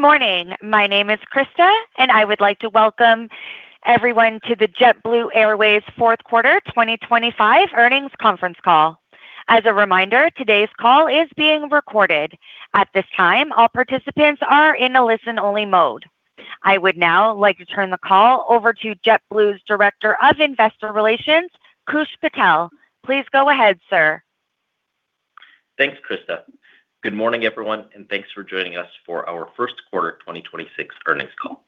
Good morning. My name is Krista, and I would like to welcome everyone to the JetBlue Airways Fourth Quarter 2025 Earnings Conference Call. As a reminder, today's call is being recorded. At this time, all participants are in a listen-only mode. I would now like to turn the call over to JetBlue's Director of Investor Relations, Koosh Patel. Please go ahead, sir. Thanks, Krista. Good morning, everyone, and thanks for joining us for our first quarter 2026 earnings call.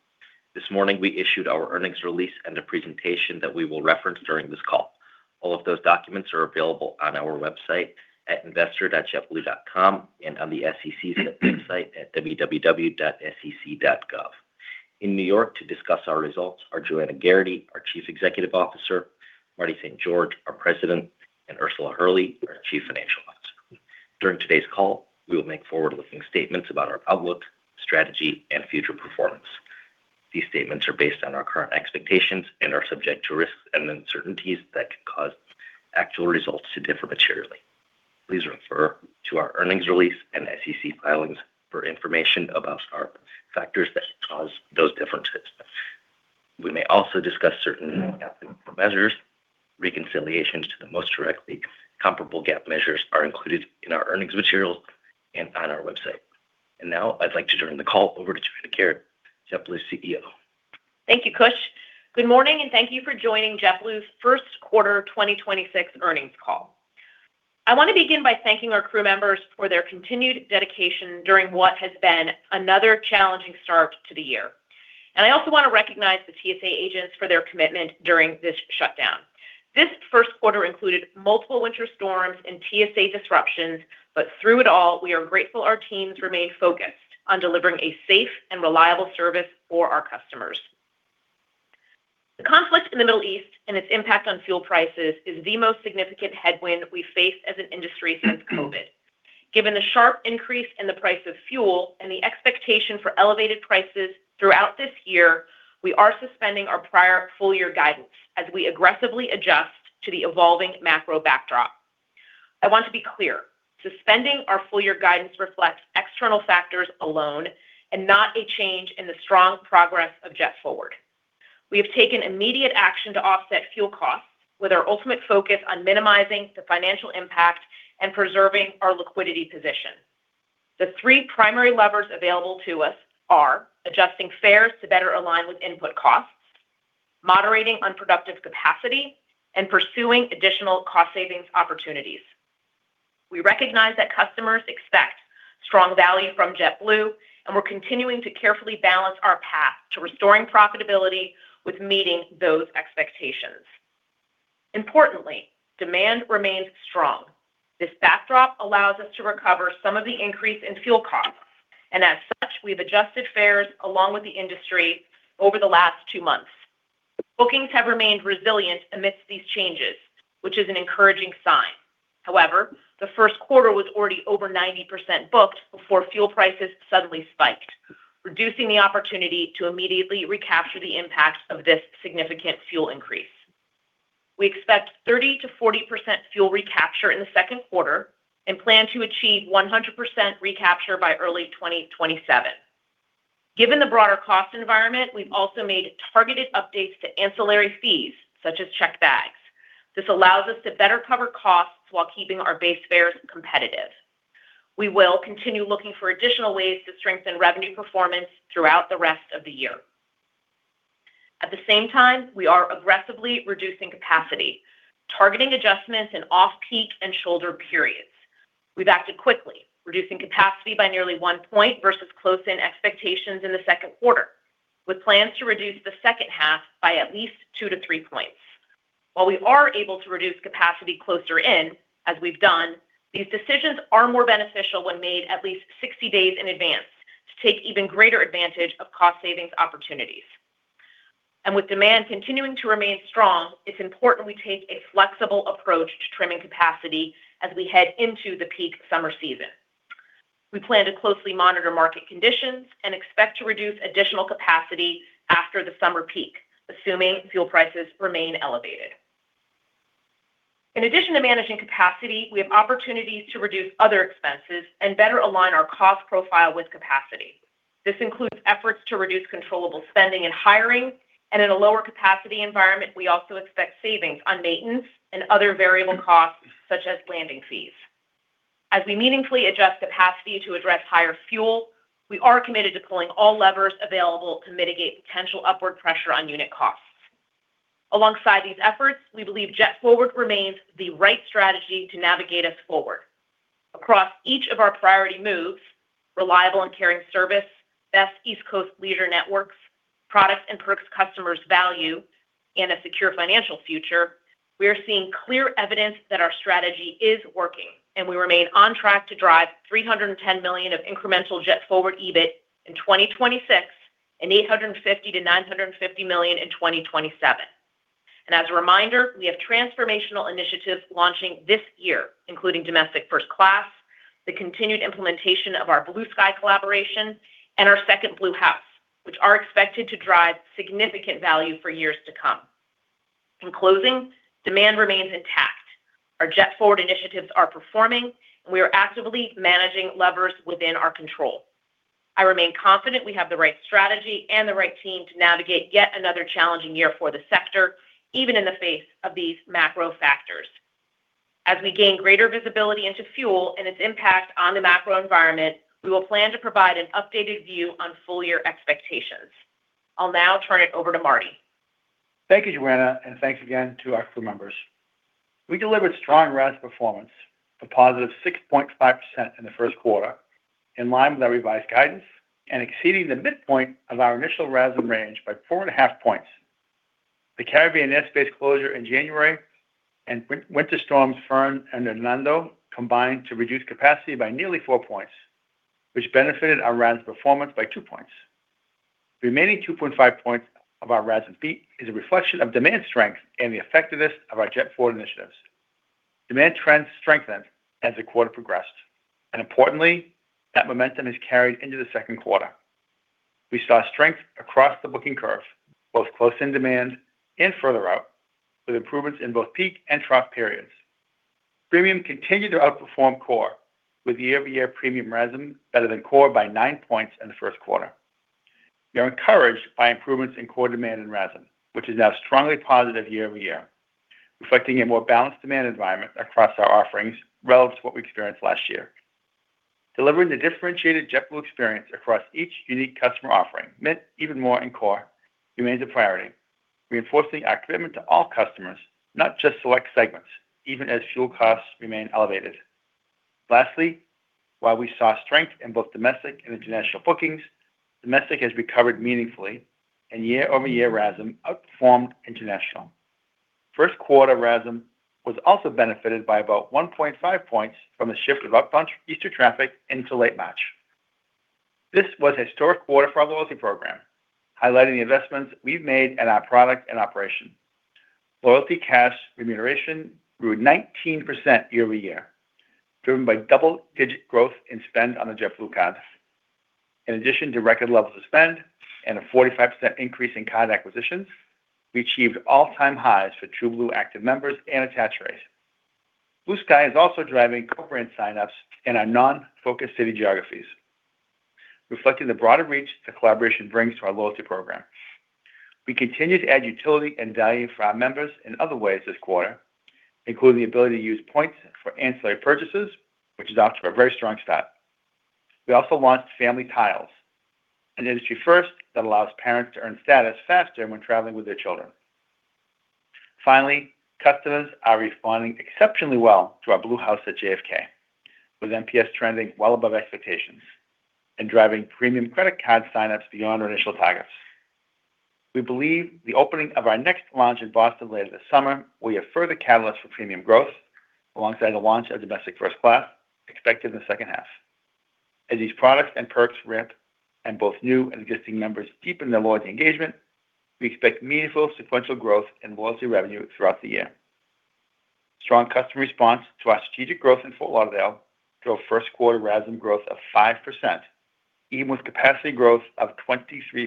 This morning, we issued our earnings release and a presentation that we will reference during this call. All of those documents are available on our website at investor.jetblue.com and on the SEC's website at www.sec.gov. In New York to discuss our results are Joanna Geraghty, our Chief Executive Officer, Marty St. George, our President, and Ursula Hurley, our Chief Financial Officer. During today's call, we will make forward-looking statements about our outlook, strategy, and future performance. These statements are based on our current expectations and are subject to risks and uncertainties that could cause actual results to differ materially. Please refer to our earnings release and SEC filings for information about our factors that cause those differences. We may also discuss certain non-GAAP measures. Reconciliations to the most directly comparable GAAP measures are included in our earnings materials and on our website. Now I'd like to turn the call over to Joanna Geraghty, JetBlue's CEO. Thank you, Koosh. Good morning, and thank you for joining JetBlue's First Quarter 2026 Earnings Call. I want to begin by thanking our crew members for their continued dedication during what has been another challenging start to the year. I also want to recognize the TSA agents for their commitment during this shutdown. This first quarter included multiple winter storms and TSA disruptions, but through it all, we are grateful our teams remained focused on delivering a safe and reliable service for our customers. The conflict in the Middle East and its impact on fuel prices is the most significant headwind we face as an industry since COVID. Given the sharp increase in the price of fuel and the expectation for elevated prices throughout this year, we are suspending our prior full-year guidance as we aggressively adjust to the evolving macro backdrop. I want to be clear, suspending our full-year guidance reflects external factors alone and not a change in the strong progress of JetForward. We have taken immediate action to offset fuel costs with our ultimate focus on minimizing the financial impact and preserving our liquidity position. The three primary levers available to us are adjusting fares to better align with input costs, moderating unproductive capacity, and pursuing additional cost savings opportunities. We recognize that customers expect strong value from JetBlue, and we're continuing to carefully balance our path to restoring profitability with meeting those expectations. Importantly, demand remains strong. This backdrop allows us to recover some of the increase in fuel costs, and as such, we've adjusted fares along with the industry over the last two months. Bookings have remained resilient amidst these changes, which is an encouraging sign. However, the first quarter was already over 90% booked before fuel prices suddenly spiked, reducing the opportunity to immediately recapture the impact of this significant fuel increase. We expect 30%-40% fuel recapture in the second quarter and plan to achieve 100% recapture by early 2027. Given the broader cost environment, we've also made targeted updates to ancillary fees, such as checked bags. This allows us to better cover costs while keeping our base fares competitive. We will continue looking for additional ways to strengthen revenue performance throughout the rest of the year. At the same time, we are aggressively reducing capacity, targeting adjustments in off-peak and shoulder periods. We've acted quickly, reducing capacity by nearly one point versus close-in expectations in the second quarter, with plans to reduce the second half by at least two to three points. While we are able to reduce capacity closer in, as we've done, these decisions are more beneficial when made at least 60 days in advance to take even greater advantage of cost savings opportunities. With demand continuing to remain strong, it's important we take a flexible approach to trimming capacity as we head into the peak summer season. We plan to closely monitor market conditions and expect to reduce additional capacity after the summer peak, assuming fuel prices remain elevated. In addition to managing capacity, we have opportunities to reduce other expenses and better align our cost profile with capacity. This includes efforts to reduce controllable spending and hiring. In a lower capacity environment, we also expect savings on maintenance and other variable costs, such as landing fees. As we meaningfully adjust capacity to address higher fuel, we are committed to pulling all levers available to mitigate potential upward pressure on unit costs. Alongside these efforts, we believe JetForward remains the right strategy to navigate us forward. Across each of our priority moves, reliable and caring service, best East Coast leader networks, products and perks customers value, and a secure financial future, we are seeing clear evidence that our strategy is working, and we remain on track to drive $310 million of incremental JetForward EBIT in 2026 and $850 million-$950 million in 2027. As a reminder, we have transformational initiatives launching this year, including domestic first class, the continued implementation of our Blue Sky collaboration, and our second BlueHouse, which are expected to drive significant value for years to come. In closing, demand remains intact. Our JetForward initiatives are performing, and we are actively managing levers within our control. I remain confident we have the right strategy and the right team to navigate yet another challenging year for the sector, even in the face of these macro factors. As we gain greater visibility into fuel and its impact on the macro environment, we will plan to provide an updated view on full-year expectations. I'll now turn it over to Marty. Thank you, Joanna, and thanks again to our crew members. We delivered strong RAS performance, a positive 6.5% in the first quarter, in line with our revised guidance and exceeding the midpoint of our initial RASM range by 4.5 points. The Caribbean airspace closure in January and winter storms Fern and Hernando combined to reduce capacity by nearly four points, which benefited our RASM performance by two points. The remaining 2.5 points of our RASM beat is a reflection of demand strength and the effectiveness of our JetForward initiatives. Demand trends strengthened as the quarter progressed, Importantly, that momentum is carried into the second quarter. We saw strength across the booking curve, both close in demand and further out, with improvements in both peak and trough periods. Premium continued to outperform core, with year-over-year premium RASM better than core by 9 points in the first quarter. We are encouraged by improvements in core demand in RASM, which is now strongly positive year-over-year, reflecting a more balanced demand environment across our offerings relative to what we experienced last year. Delivering the differentiated JetBlue experience across each unique customer offering meant even more in core remains a priority, reinforcing our commitment to all customers, not just select segments, even as fuel costs remain elevated. Lastly, while we saw strength in both domestic and international bookings, domestic has recovered meaningfully, and year-over-year RASM outperformed international. First quarter RASM was also benefited by about 1.5 points from a shift of up bunch Easter traffic into late March. This was a historic quarter for our loyalty program, highlighting the investments we've made in our product and operation. Loyalty cash remuneration grew 19% year over year, driven by double-digit growth in spend on the JetBlue cards. In addition to record levels of spend and a 45% increase in card acquisitions, we achieved all-time highs for TrueBlue active members and attach rates. Blue Sky is also driving corporate sign-ups in our non-focus city geographies, reflecting the broader reach the collaboration brings to our loyalty program. We continue to add utility and value for our members in other ways this quarter, including the ability to use points for ancillary purchases, which is off to a very strong start. We also launched Family Tiles, an industry first that allows parents to earn status faster when traveling with their children. Finally, customers are responding exceptionally well to our BlueHouse at JFK, with NPS trending well above expectations and driving premium credit card sign-ups beyond our initial targets. We believe the opening of our next launch in Boston later this summer will be a further catalyst for premium growth alongside the launch of domestic first class expected in the second half. As these products and perks ramp and both new and existing members deepen their loyalty engagement, we expect meaningful sequential growth in loyalty revenue throughout the year. Strong customer response to our strategic growth in Fort Lauderdale drove first quarter RASM growth of 5%, even with capacity growth of 23%.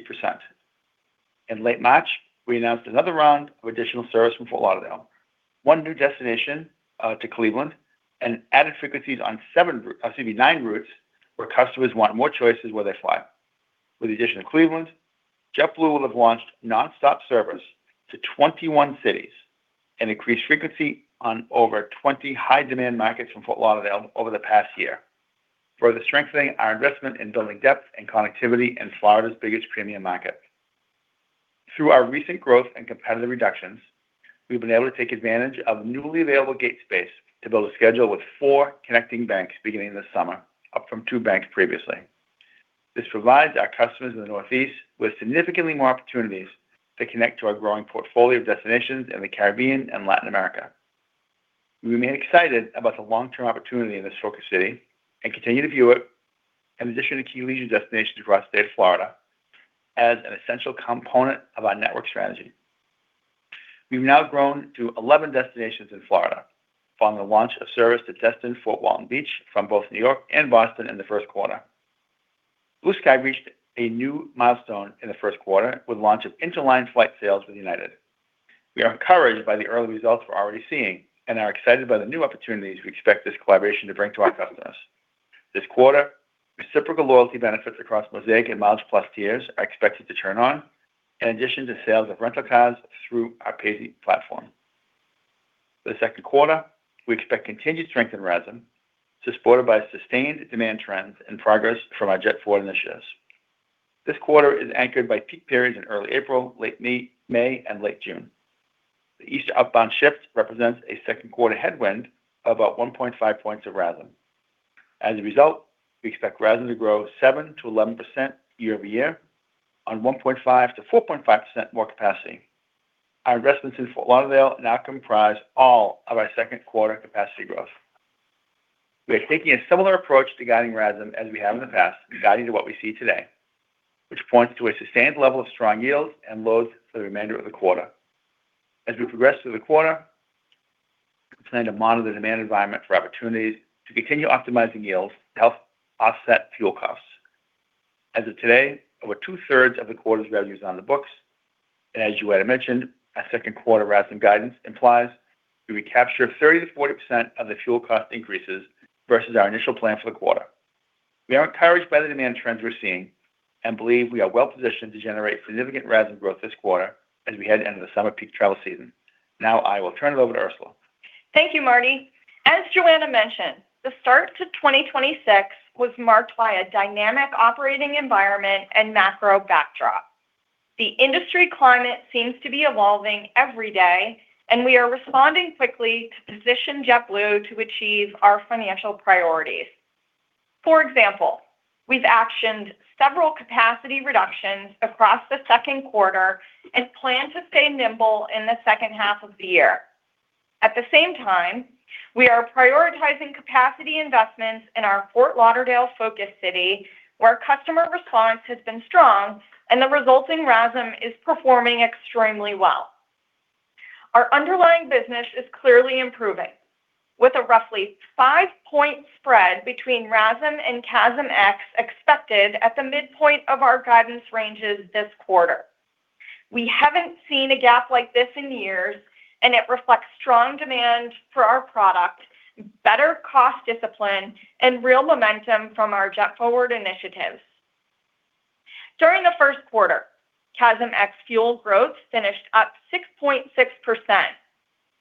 In late March, we announced another round of additional service from Fort Lauderdale, one new destination to Cleveland, and added frequencies on seven, excuse me, nine routes where customers want more choices where they fly. With the addition of Cleveland, JetBlue will have launched nonstop service to 21 cities and increased frequency on over 20 high-demand markets from Fort Lauderdale over the past year, further strengthening our investment in building depth and connectivity in Florida's biggest premium market. Through our recent growth and competitive reductions, we've been able to take advantage of newly available gate space to build a schedule with four connecting banks beginning this summer, up from two banks previously. This provides our customers in the Northeast with significantly more opportunities to connect to our growing portfolio of destinations in the Caribbean and Latin America. We remain excited about the long-term opportunity in this focus city and continue to view it as an addition to key leisure destinations across the state of Florida as an essential component of our network strategy. We've now grown to 11 destinations in Florida following the launch of service to Destin Fort Walton Beach from both New York and Boston in the first quarter. Blue Sky reached a new milestone in the first quarter with the launch of interline flight sales with United. We are encouraged by the early results we're already seeing and are excited by the new opportunities we expect this collaboration to bring to our customers. This quarter, reciprocal loyalty benefits across Mosaic and MileagePlus tiers are expected to turn on, in addition to sales of rental cars through our Paisly platform. For the second quarter, we expect continued strength in RASM, supported by sustained demand trends and progress from our JetForward initiatives. This quarter is anchored by peak periods in early April, late May, and late June. The Easter outbound shift represents a second quarter headwind of about 1.5 points of RASM. As a result, we expect RASM to grow 7%-11% year-over-year on 1.5%-4.5% more capacity. Our investments in Fort Lauderdale now comprise all of our second-quarter capacity growth. We are taking a similar approach to guiding RASM as we have in the past and guiding to what we see today, which points to a sustained level of strong yields and loads for the remainder of the quarter. As we progress through the quarter, we plan to monitor the demand environment for opportunities to continue optimizing yields to help offset fuel costs. As of today, over two-thirds of the quarter's revenues are on the books. As Joanna mentioned, our second quarter RASM guidance implies that we capture 30%-40% of the fuel cost increases versus our initial plan for the quarter. We are encouraged by the demand trends we're seeing and believe we are well-positioned to generate significant RASM growth this quarter as we head into the summer peak travel season. Now, I will turn it over to Ursula. Thank you, Marty. As Joanna mentioned, the start to 2026 was marked by a dynamic operating environment and macro backdrop. The industry climate seems to be evolving every day, and we are responding quickly to position JetBlue to achieve our financial priorities. For example, we've actioned several capacity reductions across the second quarter and plan to stay nimble in the second half of the year. At the same time, we are prioritizing capacity investments in our Fort Lauderdale focus city, where customer response has been strong and the resulting RASM is performing extremely well. Our underlying business is clearly improving, with a roughly five point spread between RASM and CASM ex-fuel expected at the midpoint of our guidance ranges this quarter. We haven't seen a gap like this in years, and it reflects strong demand for our product, better cost discipline, and real momentum from our JetForward initiatives. During the first quarter, CASM ex fuel growth finished up 6.6%,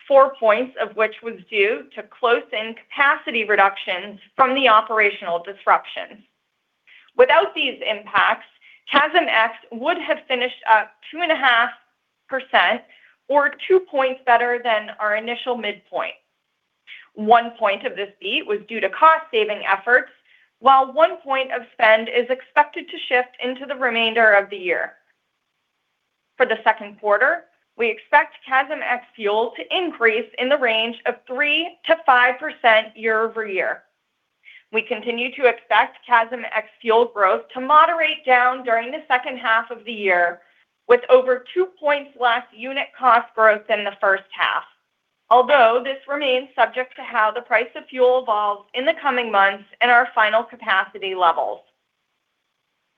four points of which was due to close-in capacity reductions from the operational disruptions. Without these impacts, CASM ex would have finished up 2.5% or two points better than our initial midpoint. one point of this beat was due to cost-saving efforts, while one point of spend is expected to shift into the remainder of the year. For the second quarter, we expect CASM ex fuel to increase in the range of 3%-5% year-over-year. We continue to expect CASM ex fuel growth to moderate down during the second half of the year, with over two points less unit cost growth than the first half. This remains subject to how the price of fuel evolves in the coming months and our final capacity levels.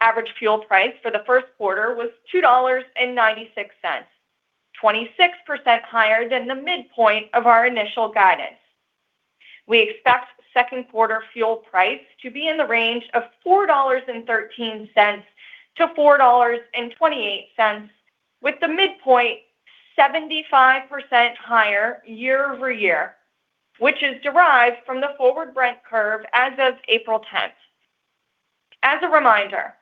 Average fuel price for the first quarter was $2.96, 26% higher than the midpoint of our initial guidance. We expect second quarter fuel price to be in the range of $4.13-$4.28, with the midpoint 75% higher year-over-year, which is derived from the forward Brent curve as of April 10th. As a reminder,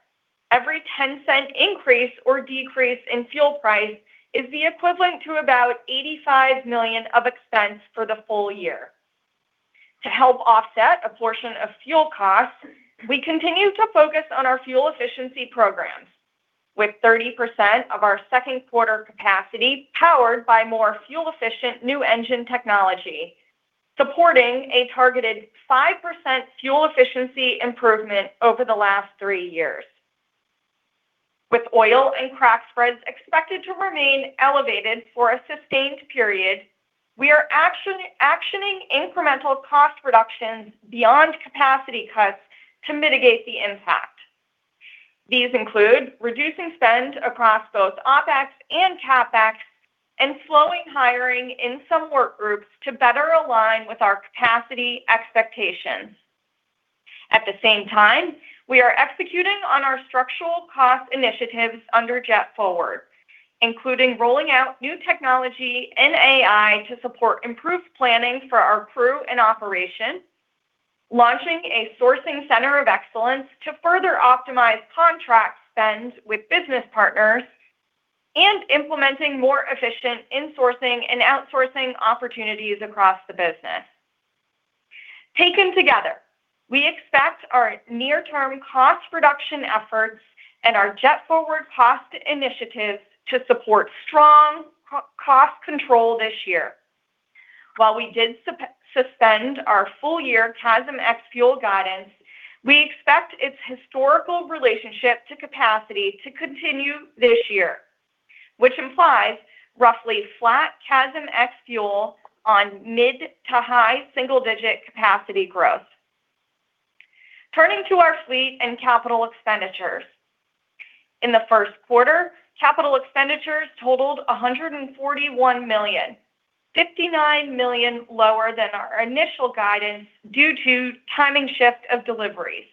every $0.10 increase or decrease in fuel price is the equivalent to about $85 million of expense for the full year. To help offset a portion of fuel costs, we continue to focus on our fuel efficiency programs, with 30% of our second quarter capacity powered by more fuel-efficient new engine technology, supporting a targeted 5% fuel efficiency improvement over the last three years. With oil and crack spreads expected to remain elevated for a sustained period, we are actioning incremental cost reductions beyond capacity cuts to mitigate the impact. These include reducing spend across both OpEx and CapEx and slowing hiring in some work groups to better align with our capacity expectations. At the same time, we are executing on our structural cost initiatives under JetForward, including rolling out new technology and AI to support improved planning for our crew and operation, launching a sourcing center of excellence to further optimize contract spend with business partners, and implementing more efficient insourcing and outsourcing opportunities across the business. Taken together, we expect our near-term cost reduction efforts and our JetForward cost initiatives to support strong cost control this year. While we did suspend our full-year CASM ex-fuel guidance, we expect its historical relationship to capacity to continue this year, which implies roughly flat CASM ex-fuel on mid- to high single-digit capacity growth. Turning to our fleet and capital expenditures. In the first quarter, capital expenditures totaled $141 million, $59 million lower than our initial guidance due to timing shift of deliveries.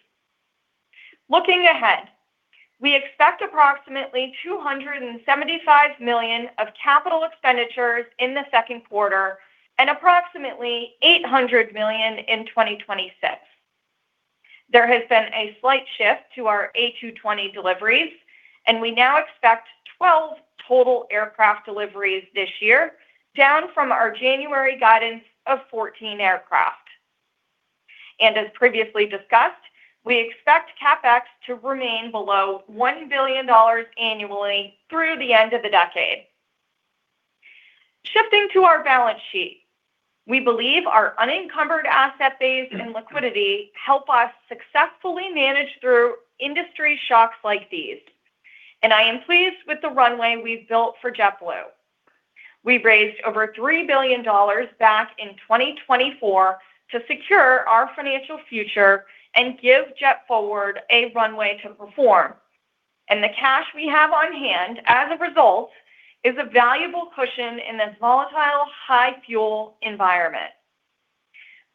Looking ahead, we expect approximately $275 million of capital expenditures in the second quarter and approximately $800 million in 2026. There has been a slight shift to our A220 deliveries, we now expect 12 total aircraft deliveries this year, down from our January guidance of 14 aircraft. As previously discussed, we expect CapEx to remain below $1 billion annually through the end of the decade. Shifting to our balance sheet, we believe our unencumbered asset base and liquidity help us successfully manage through industry shocks like these. I am pleased with the runway we've built for JetBlue. We raised over $3 billion back in 2024 to secure our financial future and give JetForward a runway to perform. The cash we have on hand as a result is a valuable cushion in this volatile high-fuel environment.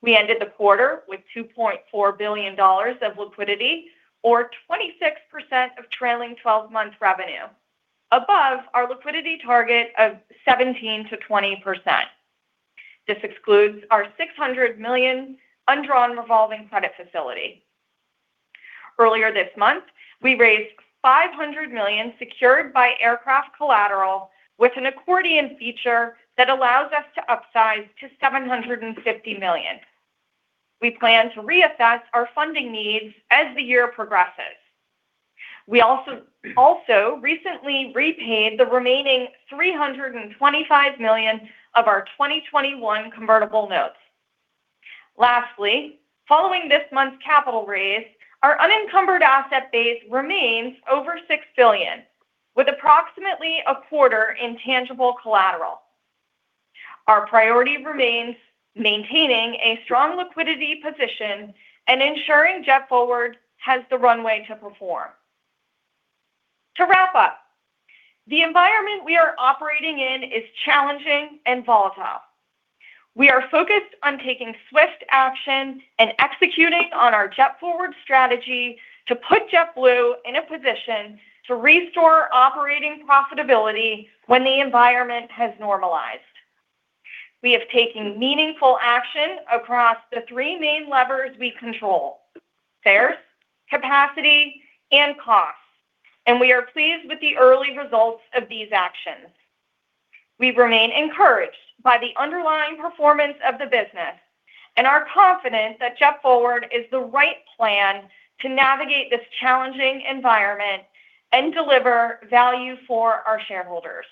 We ended the quarter with $2.4 billion of liquidity or 26% of trailing twelve-month revenue, above our liquidity target of 17%-20%. This excludes our $600 million undrawn revolving credit facility. Earlier this month, we raised $500 million secured by aircraft collateral with an accordion feature that allows us to upsize to $750 million. We plan to reassess our funding needs as the year progresses. We also recently repaid the remaining $325 million of our 2021 convertible notes. Lastly, following this month's capital raise, our unencumbered asset base remains over $6 billion, with approximately a quarter in tangible collateral. Our priority remains maintaining a strong liquidity position and ensuring JetForward has the runway to perform. To wrap up, the environment we are operating in is challenging and volatile. We are focused on taking swift action and executing on our JetForward strategy to put JetBlue in a position to restore operating profitability when the environment has normalized. We have taken meaningful action across the three main levers we control: fares, capacity, and costs. We are pleased with the early results of these actions. We remain encouraged by the underlying performance of the business and are confident that JetForward is the right plan to navigate this challenging environment and deliver value for our shareholders.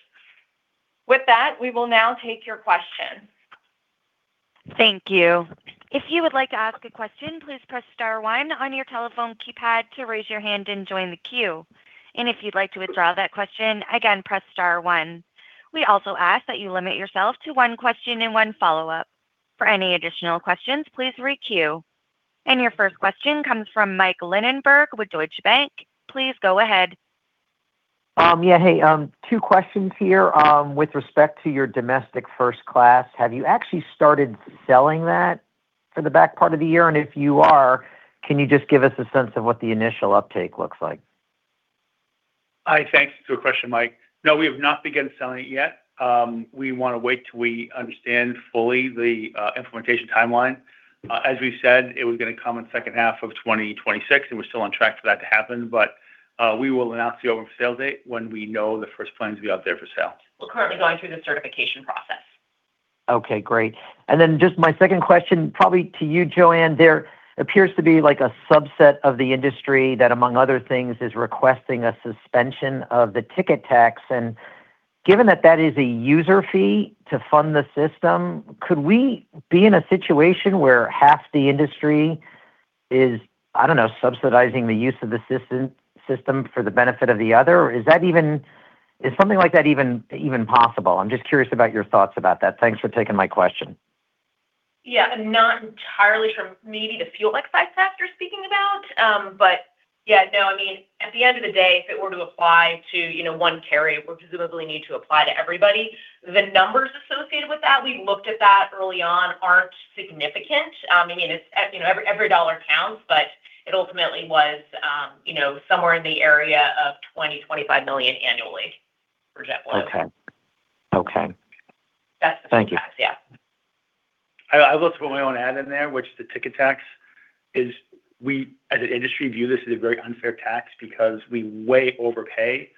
With that, we will now take your questions. Thank you. Your first question comes from Michael Linenberg with Deutsche Bank. Please go ahead. Yeah. Hey, two questions here. With respect to your domestic first class, have you actually started selling that for the back part of the year? If you are, can you just give us a sense of what the initial uptake looks like? Hi, thanks for the question, Mike. No, we have not begun selling it yet. We wanna wait till we understand fully the implementation timeline. As we said, it was gonna come in second half of 2026, and we're still on track for that to happen, but we will announce the over-for-sale date when we know the first plane's gonna be out there for sale. We're currently going through the certification process. Okay, great. Just my second question, probably to you, Joanna. There appears to be, like, a subset of the industry that, among other things, is requesting a suspension of the ticket tax. Given that that is a user fee to fund the system, could we be in a situation where half the industry is, I don't know, subsidizing the use of the system for the benefit of the other? Is something like that even possible? I'm just curious about your thoughts about that. Thanks for taking my question. Yeah. Not entirely sure maybe the fuel exercise tax you're speaking about. Yeah, no, I mean, at the end of the day, if it were to apply to, you know, one carrier, it would presumably need to apply to everybody. The numbers associated with that, we looked at that early on, aren't significant. I mean, it's You know, every dollar counts. It ultimately was, you know, somewhere in the area of $20 million-$25 million annually for JetBlue. Okay. Okay. That's. Thank you. Yeah. I'll also put my own ad in there. The ticket tax is we as an industry view this as a very unfair tax because we way overpay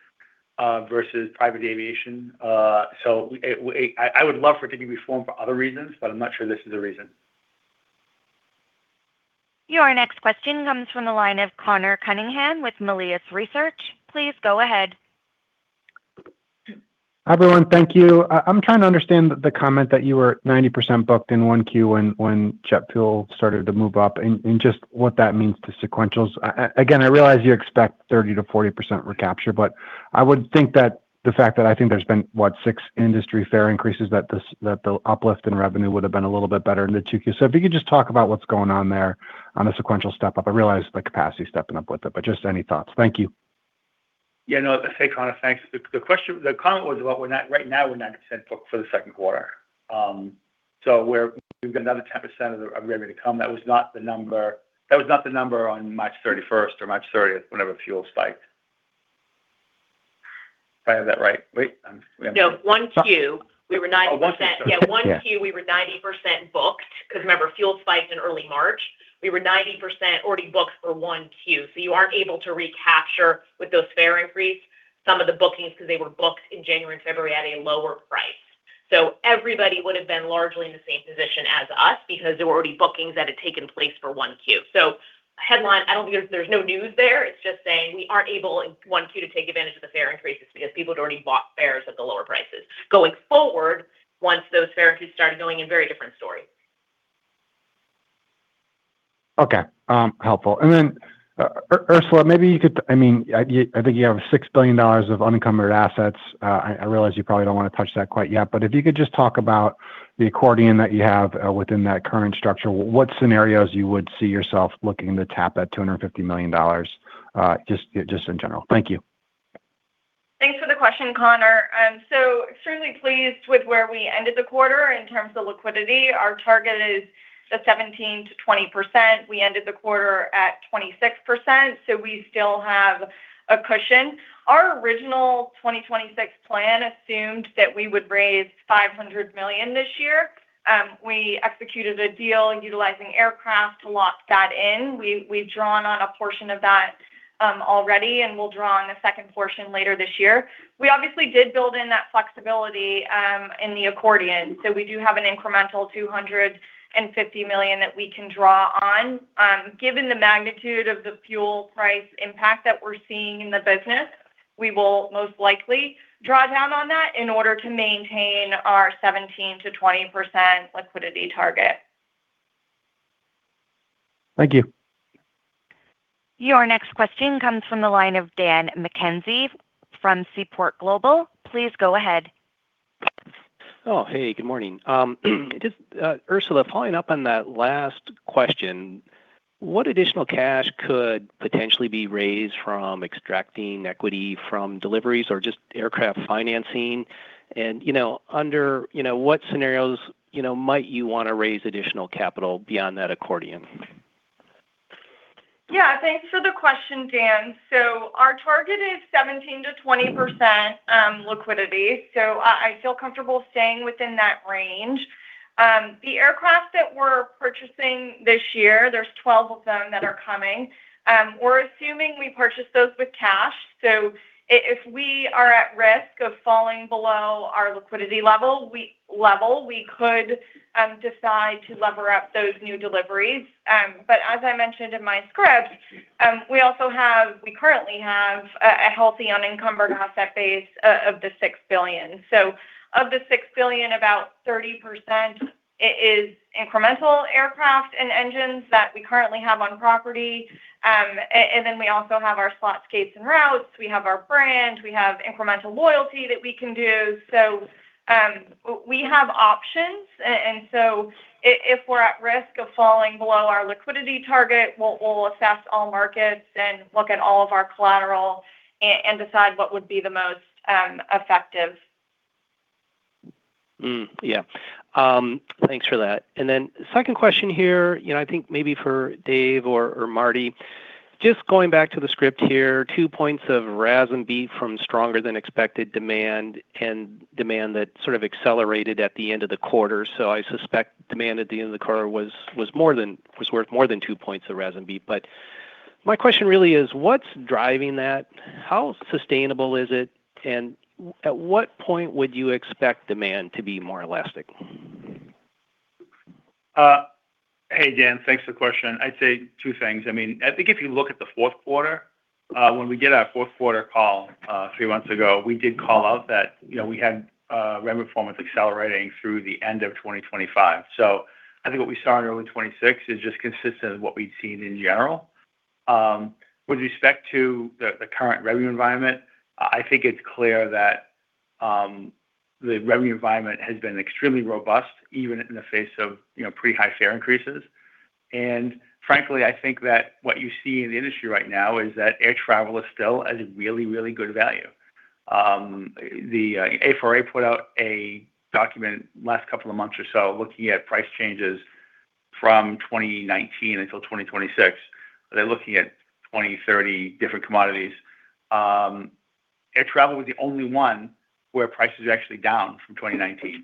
versus private aviation. I would love for it to be reformed for other reasons, but I'm not sure this is a reason. Your next question comes from the line of Conor Cunningham with Melius Research. Please go ahead. Hi, everyone. Thank you. I'm trying to understand the comment that you were 90% booked in 1Q when jet fuel started to move up and just what that means to sequentials. Again, I realize you expect 30%-40% recapture, but I would think that the fact that I think there's been, what, six industry fare increases, that the uplift in revenue would have been a little bit better in the 2Qs. If you could just talk about what's going on there on a sequential step-up. I realize the capacity is stepping up with it, but just any thoughts. Thank you. Yeah, no, hey, Conor. Thanks. The comment was about right now, we're 90% booked for the second quarter. We've got another 10% of the revenue to come. That was not the number. That was not the number on March 31st or March 30th, whenever fuel spiked. If I have that right. Wait. No, 1Q, we were 90%. Oh, 1Q, sorry. Yeah, 1Q, we were 90% booked, because remember, fuel spiked in early March. We were 90% already booked for 1Q. You aren't able to recapture with those fare increase some of the bookings because they were booked in January and February at a lower price. Everybody would have been largely in the same position as us because there were already bookings that had taken place for 1Q. Headline, I don't think there's no news there. It's just saying we aren't able in 1Q to take advantage of the fare increases because people had already bought fares at the lower prices. Going forward, once those fare increases started going in, very different story. Okay. helpful. Ursula, maybe you could, I mean, I think you have $6 billion of unencumbered assets. I realize you probably don't wanna touch that quite yet, but if you could just talk about the accordion that you have, within that current structure, what scenarios you would see yourself looking to tap that $250 million, just in general? Thank you. Thanks for the question, Conor. Extremely pleased with where we ended the quarter in terms of liquidity. Our target is the 17%-20%. We ended the quarter at 26%, we still have a cushion. Our original 2026 plan assumed that we would raise $500 million this year. We executed a deal utilizing aircraft to lock that in. We've drawn on a portion of that already, we'll draw on the second portion later this year. We obviously did build in that flexibility in the accordion, we do have an incremental $250 million that we can draw on. Given the magnitude of the fuel price impact that we're seeing in the business, we will most likely draw down on that in order to maintain our 17%-20% liquidity target. Thank you. Your next question comes from the line of Daniel McKenzie from Seaport Global. Please go ahead. Oh, hey, good morning. Just Ursula, following up on that last question, what additional cash could potentially be raised from extracting equity from deliveries or just aircraft financing? You know, under, you know, what scenarios, you know, might you wanna raise additional capital beyond that accordion? Thanks for the question, Dan. Our target is 17%-20% liquidity, I feel comfortable staying within that range. The aircraft that we're purchasing this year, there's 12 of them that are coming, we're assuming we purchase those with cash. If we are at risk of falling below our liquidity level, we could decide to lever up those new deliveries. As I mentioned in my script, we currently have a healthy unencumbered asset base of $6 billion. Of the $6 billion, about 30% is incremental aircraft and engines that we currently have on property. And then we also have our slot gates and routes, we have our brand, we have incremental loyalty that we can do. We have options. If we're at risk of falling below our liquidity target, we'll assess all markets and look at all of our collateral and decide what would be the most effective. Hmm. Yeah. Thanks for that. Second question here, you know, I think maybe for Dave or Marty. Just going back to the script here, two points of RASM-B from stronger than expected demand and demand that sort of accelerated at the end of the quarter. I suspect demand at the end of the quarter was worth more than two points of RASM-B. My question really is, what's driving that? How sustainable is it? At what point would you expect demand to be more elastic? Hey, Dan. Thanks for the question. I'd say two things. I mean, I think if you look at the fourth quarter, when we did our fourth quarter call, three months ago, we did call out that, you know, we had revenue performance accelerating through the end of 2025. I think what we saw in early 2026 is just consistent with what we'd seen in general. With respect to the current revenue environment, I think it's clear that the revenue environment has been extremely robust, even in the face of, you know, pretty high fare increases. Frankly, I think that what you see in the industry right now is that air travel is still at a really, really good value. The A4A put out a document last couple of months or so looking at price changes from 2019 until 2026. They're looking at 20, 30 different commodities. Air travel was the only one where prices are actually down from 2019.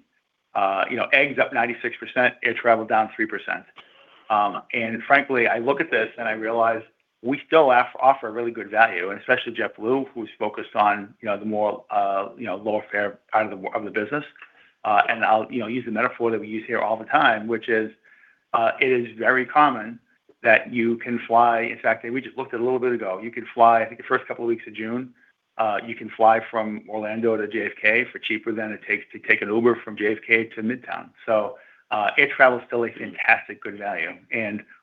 You know, eggs up 96%, air travel down 3%. And frankly, I look at this and I realize we still offer a really good value, and especially JetBlue, who's focused on, you know, the more, you know, lower fare part of the business. And I'll, you know, use the metaphor that we use here all the time, which is, it is very common that you can fly. In fact, we just looked a little bit ago. You can fly, I think, the first couple of weeks of June, you can fly from Orlando to JFK for cheaper than it takes to take an Uber from JFK to Midtown. Air travel is still a fantastic, good value.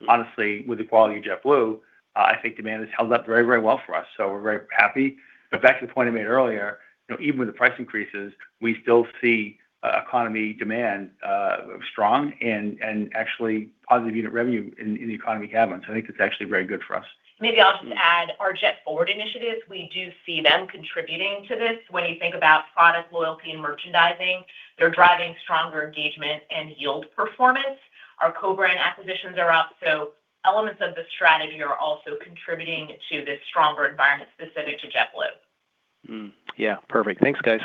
Honestly, with the quality of JetBlue, I think demand has held up very, very well for us. We're very happy. Back to the point I made earlier, you know, even with the price increases, we still see economy demand strong and actually positive unit revenue in the economy cabins. I think it's actually very good for us. Maybe I'll just add our JetForward initiatives, we do see them contributing to this. When you think about product loyalty and merchandising, they're driving stronger engagement and yield performance. Our co-brand acquisitions are up. Elements of the strategy are also contributing to this stronger environment specific to JetBlue. Yeah. Perfect. Thanks, guys.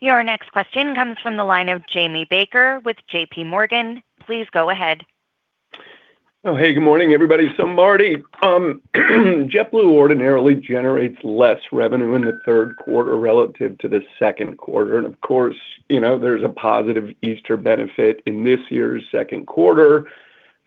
Your next question comes from the line of Jamie Baker with J.P. Morgan. Please go ahead. Good morning, everybody. Marty, JetBlue ordinarily generates less revenue in the third quarter relative to the second quarter. Of course, you know, there's a positive Easter benefit in this year's second quarter.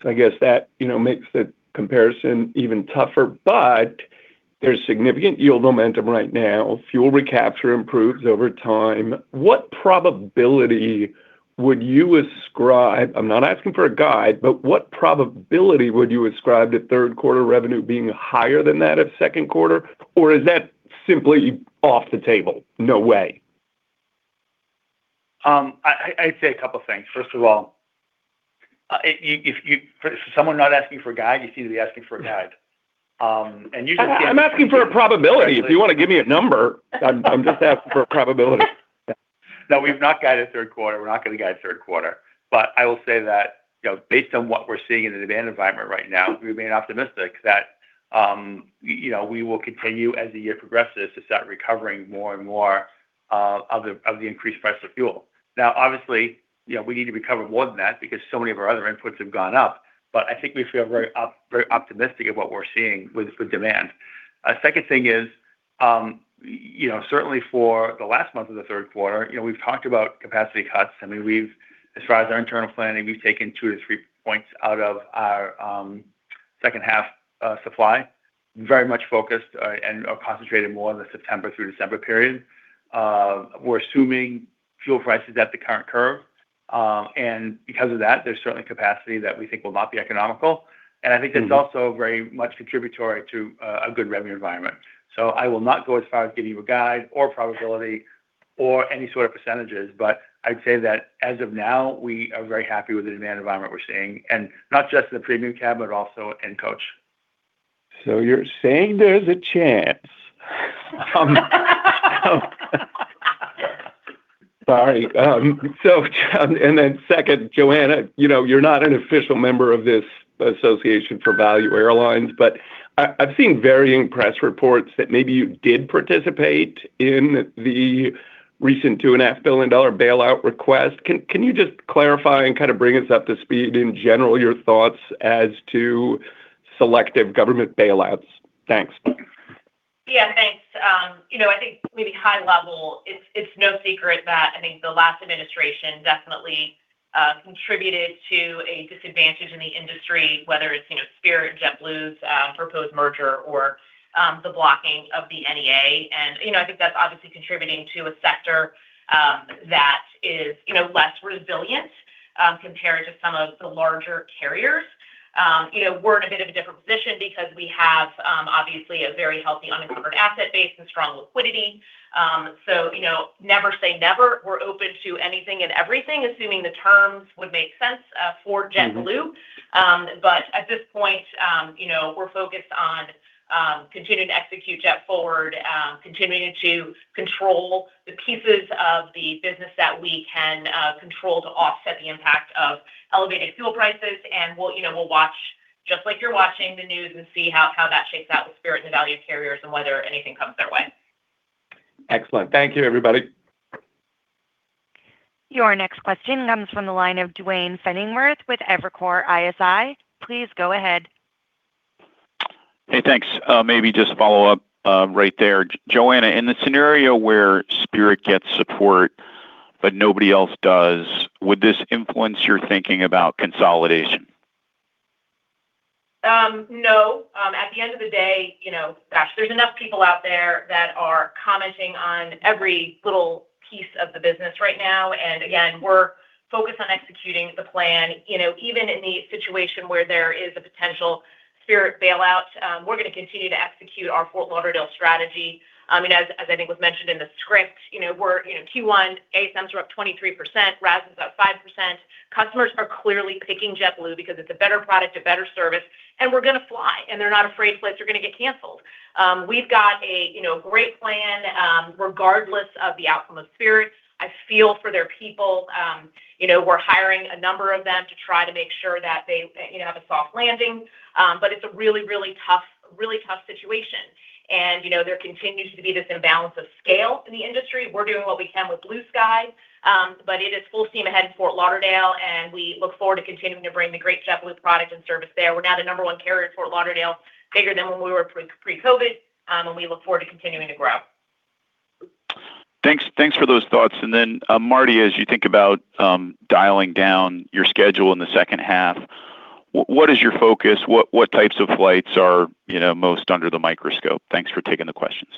I guess that, you know, makes the comparison even tougher. There's significant yield momentum right now. Fuel recapture improves over time. What probability would you ascribe, I'm not asking for a guide, but what probability would you ascribe to third quarter revenue being higher than that of second quarter? Is that simply off the table? No way. I'd say a couple things. First of all, if you for someone not asking for a guide, you seem to be asking for a guide. I'm asking for a probability. If you wanna give me a number, I'm just asking for a probability. No, we've not guided third quarter. We're not going to guide third quarter. I will say that, you know, based on what we're seeing in the demand environment right now, we remain optimistic that, you know, we will continue as the year progresses to start recovering more and more of the increased price of fuel. Obviously, you know, we need to recover more than that because so many of our other inputs have gone up. I think we feel very optimistic of what we're seeing with demand. A second thing is, you know, certainly for the last month of the third quarter, you know, we've talked about capacity cuts, and as far as our internal planning, we've taken two to three points out of our second half supply. Very much focused and/or concentrated more on the September through December period. We're assuming fuel prices at the current curve, and because of that, there's certainly capacity that we think will not be economical. I think that's also very much contributory to a good revenue environment. I will not go as far as giving you a guide or probability or any sort of percentages, but I'd say that as of now, we are very happy with the demand environment we're seeing, and not just in the premium cab, but also in coach. You're saying there's a chance. Sorry. Second, Joanna Geraghty, you know, you're not an official member of this Association of Value Airlines, but I've seen varying press reports that maybe you did participate in the recent $2.5 billion bailout request. Can you just clarify and kind of bring us up to speed in general your thoughts as to selective government bailouts? Thanks. Yeah, thanks. You know, I think maybe high level, it's no secret that I think the last administration definitely contributed to a disadvantage in the industry, whether it's, you know, Spirit and JetBlue's proposed merger or the blocking of the NEA. You know, I think that's obviously contributing to a sector that is, you know, less resilient compared to some of the larger carriers. You know, we're in a bit of a different position because we have obviously a very healthy uncovered asset base and strong liquidity. You know, never say never. We're open to anything and everything, assuming the terms would make sense for JetBlue. At this point, you know, we're focused on continuing to execute JetForward, continuing to control the pieces of the business that we can control to offset the impact of elevated fuel prices. And we'll, you know, we'll watch, just like you're watching, the news and see how that shakes out with Spirit and the Value carriers and whether anything comes their way. Excellent. Thank you, everybody. Your next question comes from the line of Duane Pfennigwerth with Evercore ISI. Please go ahead. Hey, thanks. Maybe just follow up right there. Joanna, in the scenario where Spirit gets support but nobody else does, would this influence your thinking about consolidation? No. At the end of the day, you know, gosh, there's enough people out there that are commenting on every little piece of the business right now. Again, we're focused on executing the plan. You know, even in the situation where there is a potential Spirit bailout, we're gonna continue to execute our Fort Lauderdale strategy. I mean, as I think was mentioned in the script, Q1 ASMs were up 23%, RAS was up 5%. Customers are clearly picking JetBlue because it's a better product, a better service, and we're gonna fly, and they're not afraid flights are gonna get canceled. We've got a, you know, great plan, regardless of the outcome of Spirit. I feel for their people. You know, we're hiring a number of them to try to make sure that they, you know, have a soft landing. It's a really, really tough, really tough situation. You know, there continues to be this imbalance of scale in the industry. We're doing what we can with Blue Sky, but it is full steam ahead in Fort Lauderdale, and we look forward to continuing to bring the great JetBlue product and service there. We're now the number one carrier at Fort Lauderdale, bigger than when we were pre-COVID, and we look forward to continuing to grow. Thanks, thanks for those thoughts. Marty, as you think about dialing down your schedule in the second half, what is your focus? What types of flights are, you know, most under the microscope? Thanks for taking the questions.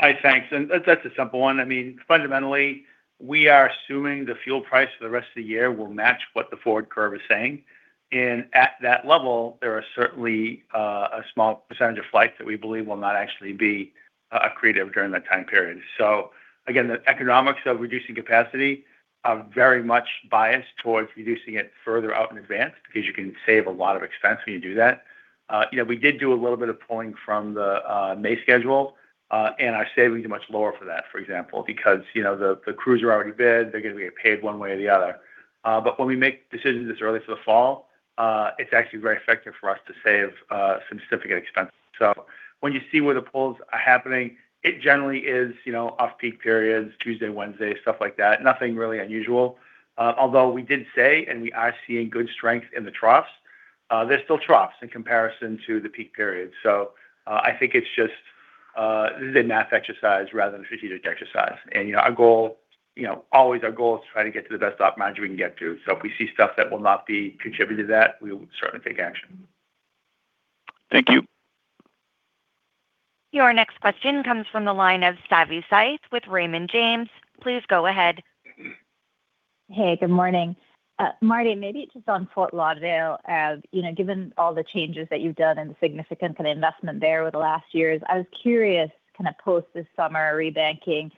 All right, thanks. That's a simple one. I mean, fundamentally, we are assuming the fuel price for the rest of the year will match what the forward curve is saying. At that level, there are certainly a small percent of flights that we believe will not actually be accretive during that time period. Again, the economics of reducing capacity are very much biased towards reducing it further out in advance because you can save a lot of expense when you do that. You know, we did do a little bit of pulling from the May schedule, and our savings are much lower for that, for example, because, you know, the crews are already bid, they're gonna get paid one way or the other. When we make decisions this early for the fall, it's actually very effective for us to save some significant expenses. When you see where the pulls are happening, it generally is, you know, off-peak periods, Tuesday, Wednesday, stuff like that. Nothing really unusual. Although we did say, and we are seeing good strength in the troughs, they're still troughs in comparison to the peak periods. I think it's just this is a math exercise rather than a strategic exercise. You know, our goal, you know, always our goal is to try to get to the best top margin we can get to. If we see stuff that will not be contributed to that, we will certainly take action. Thank you. Your next question comes from the line of Savanthi Syth with Raymond James. Please go ahead. Hey, good morning. Marty, maybe just on Fort Lauderdale, you know, given all the changes that you've done and the significant kind of investment there over the last years, I was curious, kind of post this summer re-banking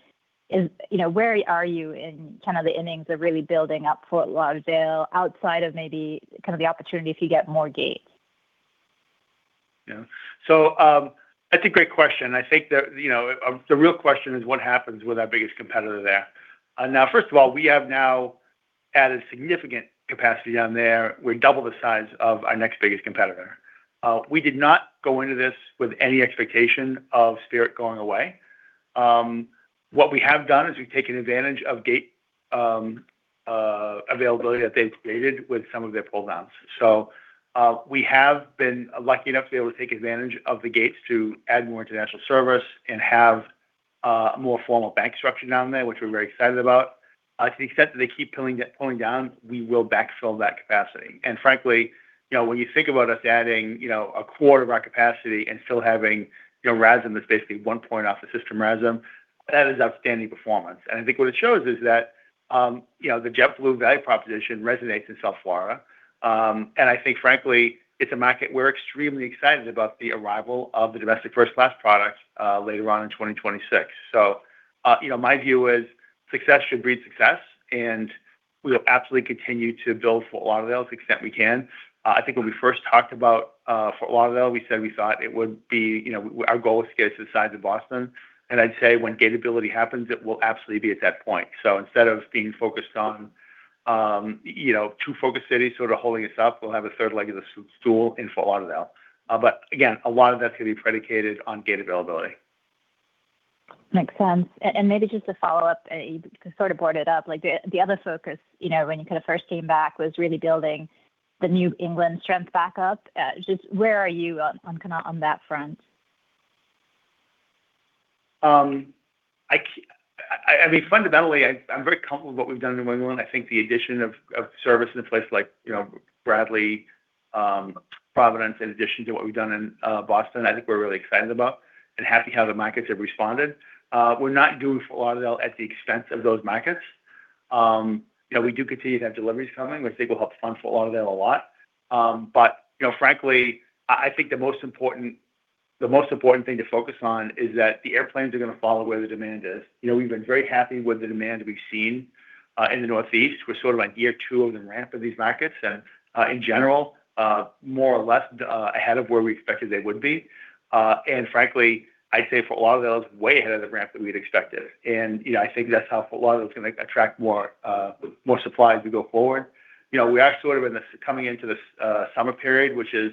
is, you know, where are you in kind of the innings of really building up Fort Lauderdale outside of maybe kind of the opportunity if you get more gates? That's a great question. I think that, you know, the real question is what happens with our biggest competitor there. Now, first of all, we have now added significant capacity down there. We're double the size of our next biggest competitor. We did not go into this with any expectation of Spirit going away. What we have done is we've taken advantage of gate availability that they've created with some of their pull-downs. We have been lucky enough to be able to take advantage of the gates to add more international service and have a more formal bank structure down there, which we're very excited about. To the extent that they keep pulling down, we will backfill that capacity. frankly, you know, when you think about us adding, you know, a quarter of our capacity and still having, you know, RASM is basically one point off the system RASM, that is outstanding performance. I think what it shows is that, you know, the JetBlue value proposition resonates in South Florida. I think frankly, it's a market we're extremely excited about the arrival of the domestic first class product, later on in 2026. you know, my view is success should breed success, and we will absolutely continue to build Fort Lauderdale to the extent we can. I think when we first talked about Fort Lauderdale, we said we thought it would be, you know, our goal is to get it to the size of Boston. I'd say when gate ability happens, it will absolutely be at that point. Instead of being focused on, you know, two focused cities sort of holding us up, we'll have a third leg of the stool in Fort Lauderdale. Again, a lot of that's gonna be predicated on gate availability. Makes sense. Maybe just to follow up, you sort of brought it up, the other focus, when you first came back was really building the New England strength back up. Just where are you on kind of on that front? I mean, fundamentally, I'm very comfortable with what we've done in New England. I think the addition of service in a place like, you know, Bradley, Providence, in addition to what we've done in Boston, I think we're really excited about and happy how the markets have responded. We're not doing Fort Lauderdale at the expense of those markets. You know, we do continue to have deliveries coming, which I think will help fund Fort Lauderdale a lot. You know, frankly, I think the most important thing to focus on is that the airplanes are gonna follow where the demand is. You know, we've been very happy with the demand we've seen in the Northeast. We're sort of on year two of the ramp of these markets and, in general, more or less, ahead of where we expected they would be. Frankly, I'd say Fort Lauderdale is way ahead of the ramp that we'd expected. You know, I think that's how Fort Lauderdale is gonna attract more, more supply as we go forward. You know, we are sort of coming into this summer period, which is,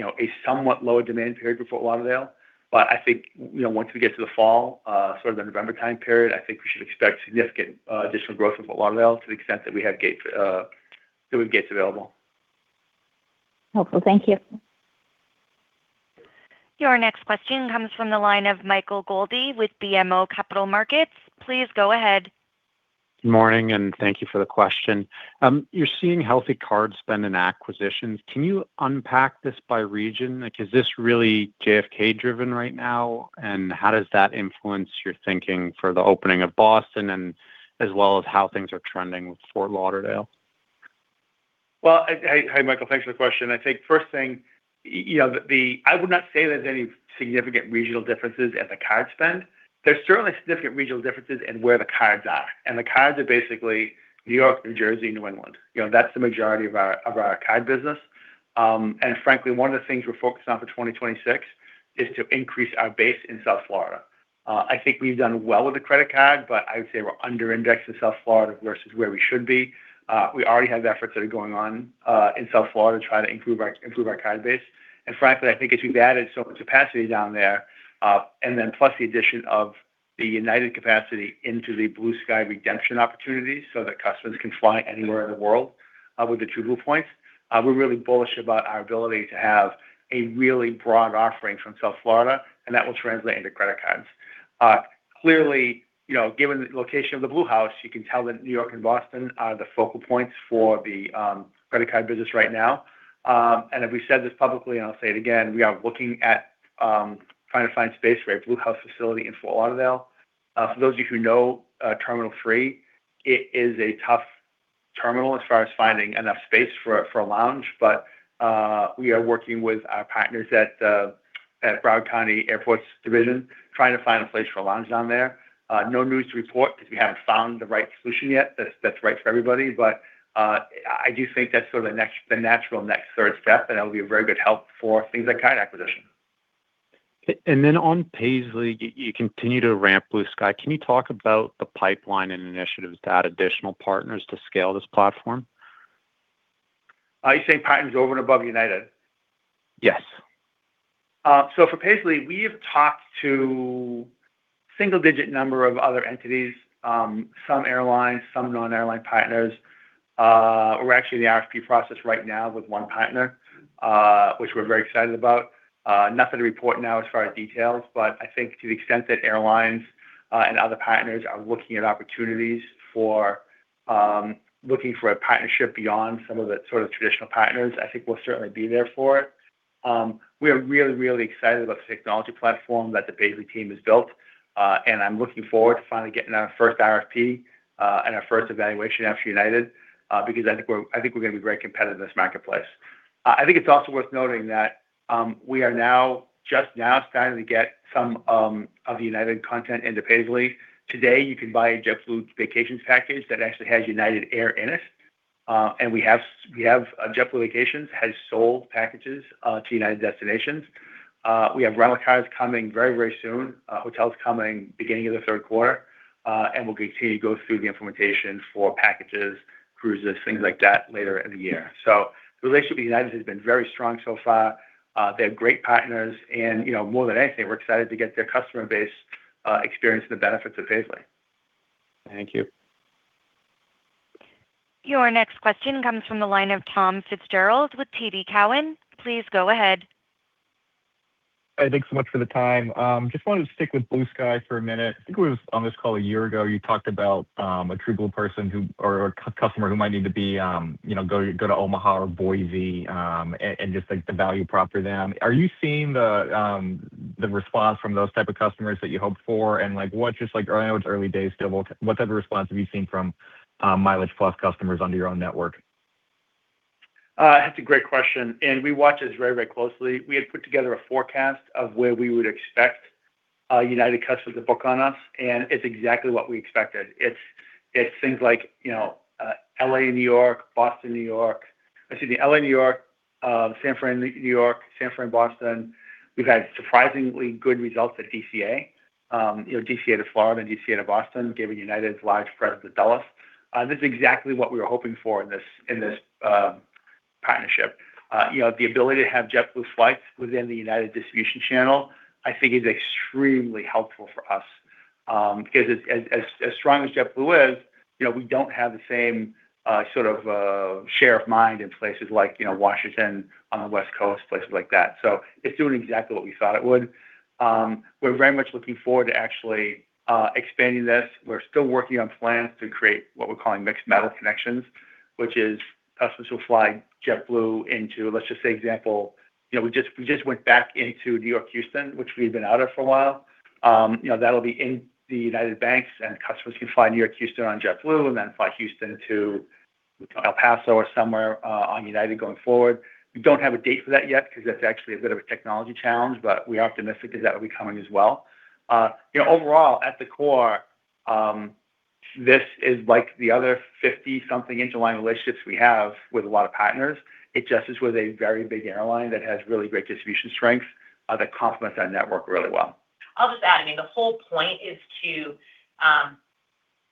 you know, a somewhat lower demand period for Fort Lauderdale. I think, you know, once we get to the fall, sort of the November time period, I think we should expect significant additional growth in Fort Lauderdale to the extent that we have gates available. Hopeful. Thank you. Your next question comes from the line of Michael Goldie with BMO Capital Markets. Please go ahead. Good morning, and thank you for the question. You're seeing healthy card spend and acquisitions. Can you unpack this by region? Like, is this really JFK driven right now? How does that influence your thinking for the opening of Boston and as well as how things are trending with Fort Lauderdale? Well, hey Michael, thanks for the question. I think first thing, you know, I would not say there's any significant regional differences at the card spend. There's certainly significant regional differences in where the cards are, the cards are basically New York, New Jersey, New England. You know, that's the majority of our card business. Frankly, one of the things we're focused on for 2026 is to increase our base in South Florida. I think we've done well with the credit card, I would say we're under indexed in South Florida versus where we should be. We already have efforts that are going on in South Florida to try to improve our card base. Frankly, I think as we've added so much capacity down there, and then plus the addition of the United capacity into the Blue Sky redemption opportunities so that customers can fly anywhere in the world with the TrueBlue points, we're really bullish about our ability to have a really broad offering from South Florida, and that will translate into credit cards. Clearly, you know, given the location of the BlueHouse, you can tell that New York and Boston are the focal points for the credit card business right now. If we said this publicly, and I'll say it again, we are looking at trying to find space for a BlueHouse facility in Fort Lauderdale. For those of you who know, Terminal Three, it is a tough terminal as far as finding enough space for a lounge. We are working with our partners at Broward County Airport division, trying to find a place for a lounge down there. No news to report because we haven't found the right solution yet that's right for everybody. I do think that's sort of the natural next sort of step, and that would be a very good help for things like card acquisition. Then on Paisly, you continue to ramp Blue Sky. Can you talk about the pipeline and initiatives to add additional partners to scale this platform? Are you saying partners over and above United? Yes. For Paisly, we have talked to single-digit number of other entities, some airlines, some non-airline partners. We're in the RFP process right now with one partner, which we're very excited about. Nothing to report now as far as details, I think to the extent that airlines and other partners are looking at opportunities for looking for a partnership beyond some of the sort of traditional partners, I think we'll certainly be there for it. We are really, really excited about the technology platform that the Paisly team has built, I'm looking forward to finally getting our first RFP and our first evaluation after United, because I think we're going to be very competitive in this marketplace. I think it's also worth noting that we are now, just now starting to get some of the United content into Paisly. Today, you can buy a JetBlue Vacations package that actually has United Airlines in it. We have JetBlue Vacations has sold packages to United destinations. We have rental cars coming very soon, hotels coming beginning of the third quarter, and we'll continue to go through the implementation for packages, cruises, things like that later in the year. The relationship with United has been very strong so far. They have great partners, and, you know, more than anything, we're excited to get their customer base experiencing the benefits of Paisly. Thank you. Your next question comes from the line of Tom Fitzgerald with TD Cowen. Please go ahead. Hey, thanks so much for the time. Just wanted to stick with Blue Sky for a minute. I think it was on this call a year ago, you talked about a TrueBlue person who, or a customer who might need to be, you know, go to Omaha or Boise, and just like the value prop for them. Are you seeing the response from those type of customers that you hoped for? Like, what's just like, I know it's early days still, but what type of response have you seen from MileagePlus customers under your own network? That's a great question, and we watch this very, very closely. We had put together a forecast of where we would expect United customers to book on us, and it's exactly what we expected. It's things like, you know, L.A. to New York, Boston to New York. Excuse me, L.A. to New York, San Fran to New York, San Fran to Boston. We've had surprisingly good results at DCA, you know, DCA to Florida and DCA to Boston, given United's large presence at Dulles. This is exactly what we were hoping for in this partnership. You know, the ability to have JetBlue flights within the United distribution channel, I think is extremely helpful for us, because as strong as JetBlue is, you know, we don't have the same sort of share of mind in places like, you know, Washington, on the West Coast, places like that. It's doing exactly what we thought it would. We're very much looking forward to actually expanding this. We're still working on plans to create what we're calling mixed metal connections, which is customers will fly JetBlue into, let's just say example, you know, we just went back into New York to Houston, which we've been out of for a while. You know, that'll be in the United banks, and customers can fly New York to Houston on JetBlue, and then fly Houston to El Paso or somewhere on United going forward. We don't have a date for that yet because that's actually a bit of a technology challenge, but we are optimistic that that will be coming as well. You know, overall, at the core, this is like the other 50 something interline relationships we have with a lot of partners. It just is with a very big airline that has really great distribution strength that complements our network really well. I'll just add, I mean, the whole point is to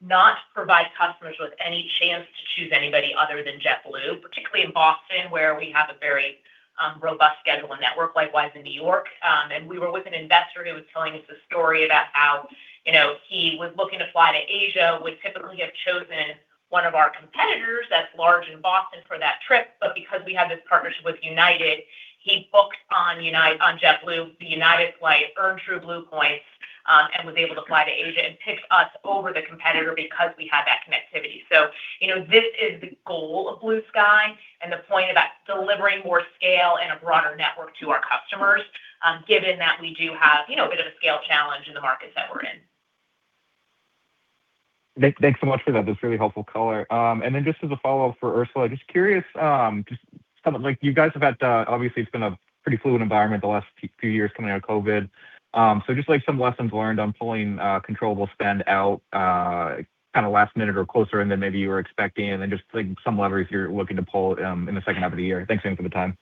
not provide customers with any chance to choose anybody other than JetBlue, particularly in Boston, where we have a very robust schedule and network, likewise in New York. And we were with an investor who was telling us a story about how, you know, he was looking to fly to Asia, would typically have chosen one of our competitors that's large in Boston for that trip. Because we have this partnership with United, he booked on JetBlue, the United flight, earned TrueBlue points, and was able to fly to Asia, and picked us over the competitor because we have that connectivity. You know, this is the goal of Blue Sky and the point about delivering more scale and a broader network to our customers, given that we do have, you know, a bit of a scale challenge in the markets that we're in. Thanks so much for that. That's really helpful color. Then just as a follow-up for Ursula, just curious, just some of like, you guys have had, obviously it's been a pretty fluid environment the last few years coming out of COVID. Just like some lessons learned on pulling controllable spend out, kind of last minute or closer and then maybe you were expecting and then just like some levers you're looking to pull in the second half of the year. Thanks again for the time.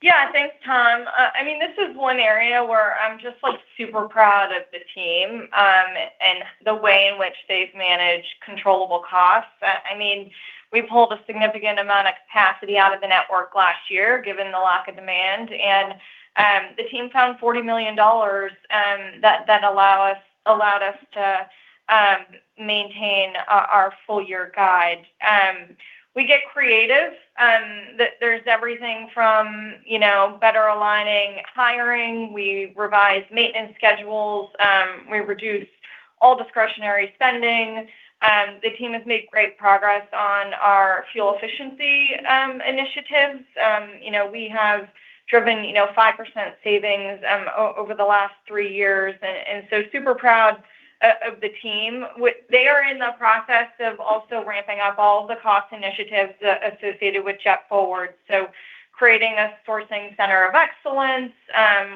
Yeah. Thanks, Tom. I mean, this is one area where I'm just like super proud of the team, and the way in which they've managed controllable costs. I mean, we pulled a significant amount of capacity out of the network last year, given the lack of demand, and the team found $40 million that allowed us to maintain our full year guide. We get creative. There's everything from, you know, better aligning hiring. We revised maintenance schedules. We reduced all discretionary spending. The team has made great progress on our fuel efficiency initiatives. You know, we have driven, you know, 5% savings over the last three years, and so super proud of the team. They are in the process of also ramping up all the cost initiatives associated with JetForward. Creating a sourcing center of excellence,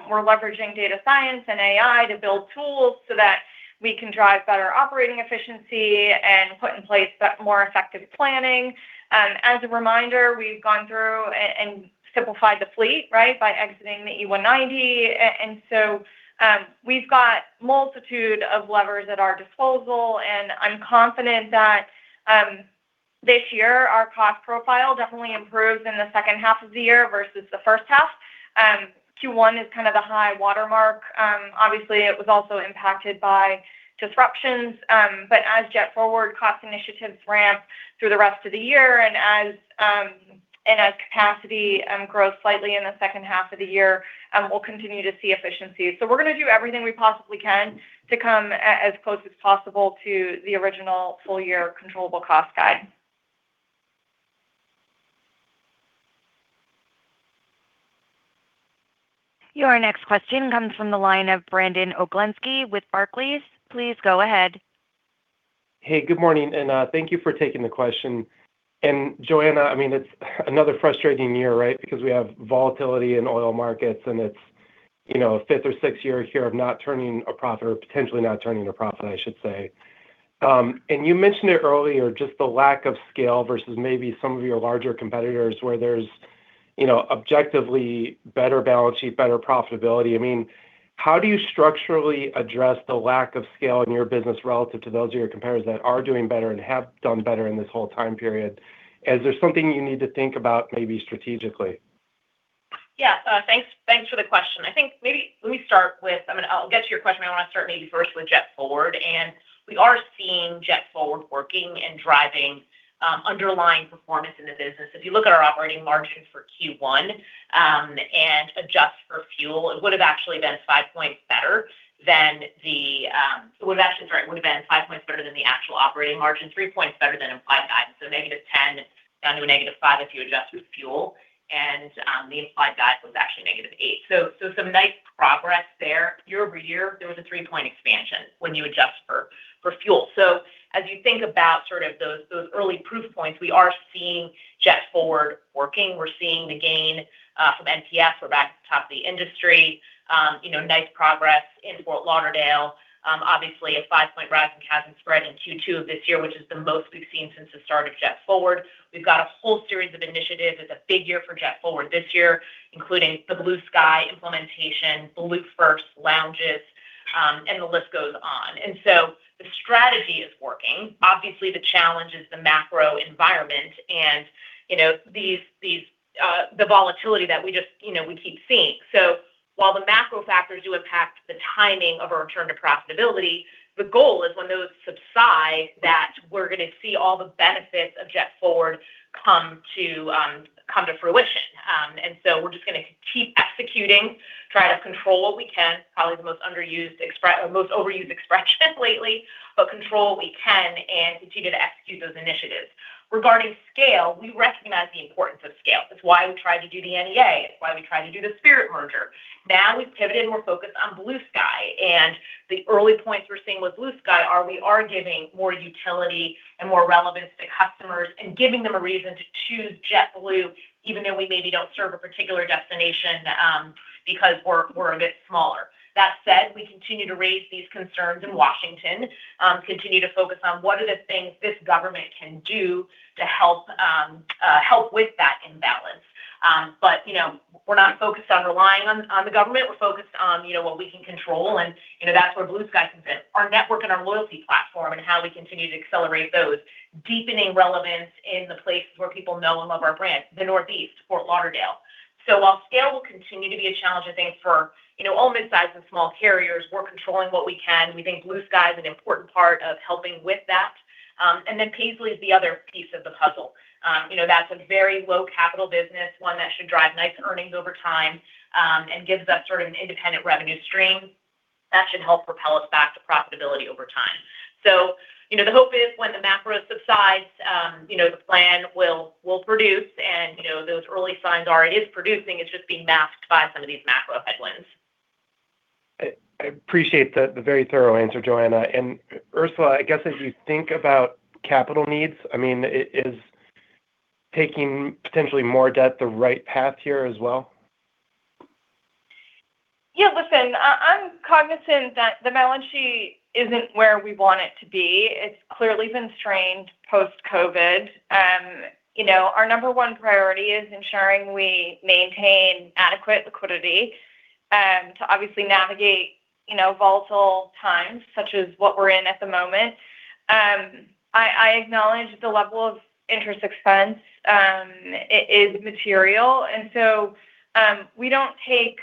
we're leveraging data science and AI to build tools so that we can drive better operating efficiency and put in place more effective planning. As a reminder, we've gone through and simplified the fleet, right? By exiting the E190. We've got multitude of levers at our disposal, and I'm confident that. This year, our cost profile definitely improves in the second half of the year versus the first half. Q1 is kind of the high watermark. Obviously, it was also impacted by disruptions. As JetForward cost initiatives ramp through the rest of the year and as capacity grows slightly in the second half of the year, we'll continue to see efficiencies. We're gonna do everything we possibly can to come as close as possible to the original full-year controllable cost guide. Your next question comes from the line of Brandon Oglenski with Barclays. Please go ahead. Hey, good morning, thank you for taking the question. Joanna, I mean, it's another frustrating year, right? Because we have volatility in oil markets, and it's, you know, 5th or 6th year here of not turning a profit or potentially not turning a profit, I should say. You mentioned it earlier, just the lack of scale versus maybe some of your larger competitors where there's, you know, objectively better balance sheet, better profitability. I mean, how do you structurally address the lack of scale in your business relative to those of your competitors that are doing better and have done better in this whole time period? Is there something you need to think about maybe strategically? Yeah. Thanks, thanks for the question. I think maybe let me start with. I'll get to your question, but I want to start maybe first with JetForward. We are seeing JetForward working and driving underlying performance in the business. If you look at our operating margin for Q1, and adjust for fuel, it would have actually been five points better than the actual operating margin, three points better than implied guide. Negative 10 down to a negative five if you adjust with fuel, and the implied guide was actually negative eight. Some nice progress there. Year-over-year, there was a three point expansion when you adjust for fuel. As you think about those early proof points, we are seeing Jet Forward working. We're seeing the gain from NPS. We're back to the top of the industry. You know, nice progress in Fort Lauderdale. Obviously, a five point rise in CASM spread in Q2 of this year, which is the most we've seen since the start of Jet Forward. We've got a whole series of initiatives. It's a big year for Jet Forward this year, including the Blue Sky implementation, BlueHouse lounges, the list goes on. The strategy is working. Obviously, the challenge is the macro environment and, you know, these the volatility that we just, you know, we keep seeing. While the macro factors do impact the timing of our return to profitability, the goal is when those subside, that we're gonna see all the benefits of JetForward come to come to fruition. We're just gonna keep executing, try to control what we can. Probably the most overused expression lately, but control what we can and continue to execute those initiatives. Regarding scale, we recognize the importance of scale. That's why we tried to do the NEA. It's why we tried to do the Spirit merger. We've pivoted and we're focused on Blue Sky, and the early points we're seeing with Blue Sky are we are giving more utility and more relevance to customers and giving them a reason to choose JetBlue even though we maybe don't serve a particular destination because we're a bit smaller. That said, we continue to raise these concerns in Washington, continue to focus on what are the things this government can do to help with that imbalance. You know, we're not focused on relying on the government. We're focused on, you know, what we can control and, you know, that's where Blue Sky comes in. Our network and our loyalty platform and how we continue to accelerate those, deepening relevance in the places where people know and love our brand, the Northeast, Fort Lauderdale. While scale will continue to be a challenge, I think, for, you know, all midsize and small carriers, we're controlling what we can. We think Blue Sky is an important part of helping with that. Then Paisly is the other piece of the puzzle. You know, that's a very low capital business, one that should drive nice earnings over time and gives us sort of an independent revenue stream that should help propel us back to profitability over time. You know, the hope is when the macro subsides, you know, the plan will produce and, you know, those early signs are it is producing. It's just being masked by some of these macro headwinds. I appreciate the very thorough answer, Joanna. Ursula, I guess as you think about capital needs, I mean, is taking potentially more debt the right path here as well? Yeah, listen, I'm cognizant that the balance sheet isn't where we want it to be. It's clearly been strained post-COVID. You know, our number one priority is ensuring we maintain adequate liquidity to obviously navigate, you know, volatile times such as what we're in at the moment. I acknowledge the level of interest expense is material. We don't take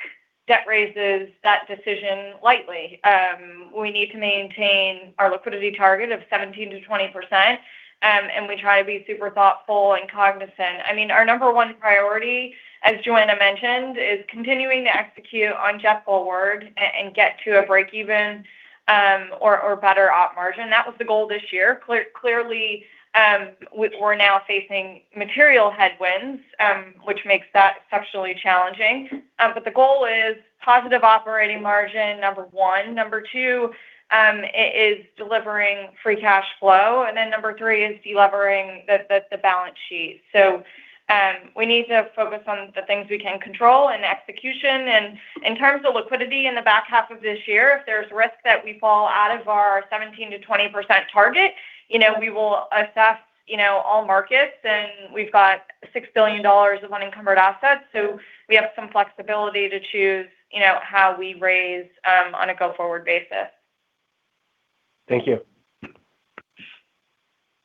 debt raises that decision lightly. We need to maintain our liquidity target of 17%-20%, and we try to be super thoughtful and cognizant. I mean, our number one priority, as Joanna mentioned, is continuing to execute on JetForward and get to a break-even or better Op Margin. That was the goal this year. Clearly, we're now facing material headwinds, which makes that exceptionally challenging. The goal is positive operating margin, number one. Number two is delivering free cash flow. Number three is delevering the balance sheet. We need to focus on the things we can control and execution. In terms of liquidity in the back half of this year, if there's risk that we fall out of our 17%-20% target, you know, we will assess, you know, all markets, and we've got $6 billion of unencumbered assets. We have some flexibility to choose, you know, how we raise on a go-forward basis. Thank you.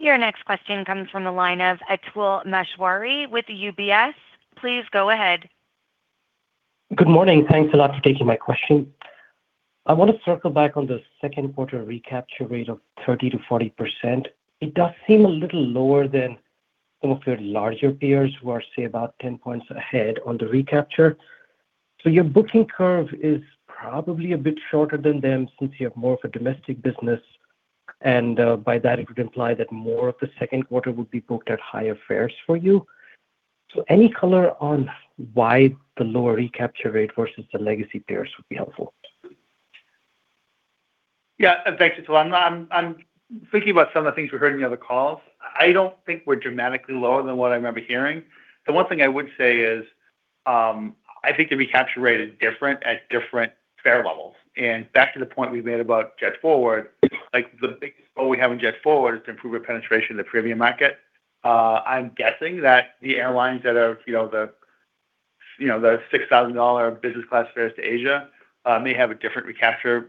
Your next question comes from the line of Atul Maheswari with UBS. Please go ahead. Good morning. Thanks a lot for taking my question. I wanna circle back on the second quarter recapture rate of 30%-40%. It does seem a little lower than some of your larger peers who are, say, about 10 points ahead on the recapture. Your booking curve is probably a bit shorter than them since you have more of a domestic business, and by that it would imply that more of the second quarter would be booked at higher fares for you. Any color on why the lower recapture rate versus the legacy peers would be helpful. Yeah, thanks, Atul. I'm thinking about some of the things we heard in the other calls. I don't think we're dramatically lower than what I remember hearing. The one thing I would say is, I think the recapture rate is different at different fare levels. Back to the point we made about JetForward, like, the biggest goal we have in JetForward is to improve our penetration in the premium market. I'm guessing that the airlines that are the $6,000 business class fares to Asia may have a different recapture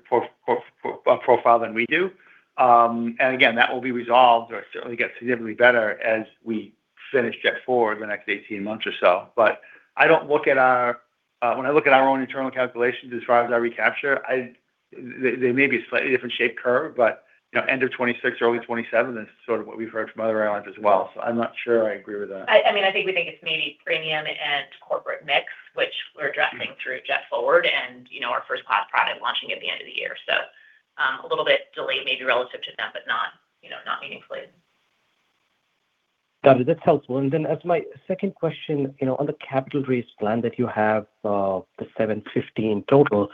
profile than we do. Again, that will be resolved or certainly get significantly better as we finish JetForward in the next 18 months or so. I don't look at our. When I look at our own internal calculations as far as our recapture, they may be a slightly different shape curve, but, you know, end of 2026 or early 2027 is sort of what we've heard from other airlines as well. I'm not sure I agree with that. I mean, I think we think it's maybe premium and corporate mix, which we're addressing through JetForward and, you know, our first class product launching at the end of the year. A little bit delayed maybe relative to them, but not, you know, not meaningfully. Got it. That's helpful. Then as my second question, you know, on the capital raise plan that you have, the $750 in total,